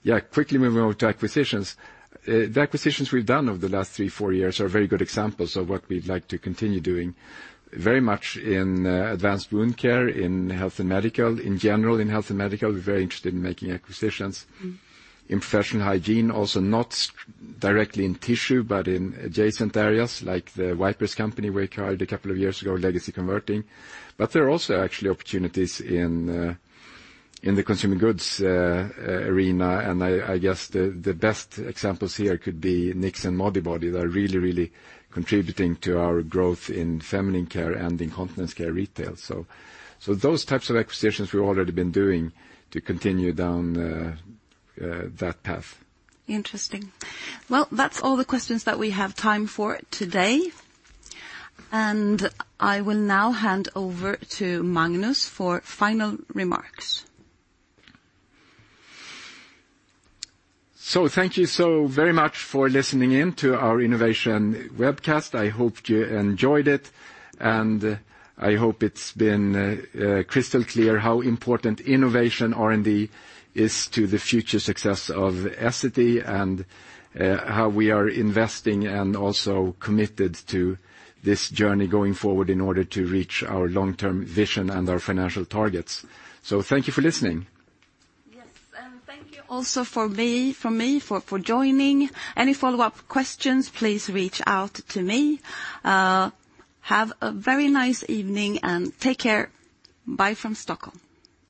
yeah, quickly moving on to acquisitions. The acquisitions we've done over the last three to four years are very good examples of what we'd like to continue doing. Very much in advanced wound care, in Health and Medical, in general, in Health and Medical, we're very interested in making acquisitions. In Professional Hygiene, also not directly in tissue, but in adjacent areas like the wipers company we acquired a couple of years ago, Legacy Converting. But there are also actually opportunities in, in the consumer goods arena, and I, I guess the, the best examples here could be Knix and Modibodi. They are really, really contributing to our growth in Feminine Care and Incontinence Care Retail. So, so those types of acquisitions we've already been doing to continue down, that path. Interesting. Well, that's all the questions that we have time for today, and I will now hand over to Magnus for final remarks. So thank you so very much for listening in to our innovation webcast. I hope you enjoyed it, and I hope it's been crystal clear how important innovation R&D is to the future success of Essity and how we are investing and also committed to this journey going forward in order to reach our long-term vision and our financial targets. So thank you for listening. Yes, and thank you also for joining. Any follow-up questions, please reach out to me. Have a very nice evening and take care. Bye from Stockholm.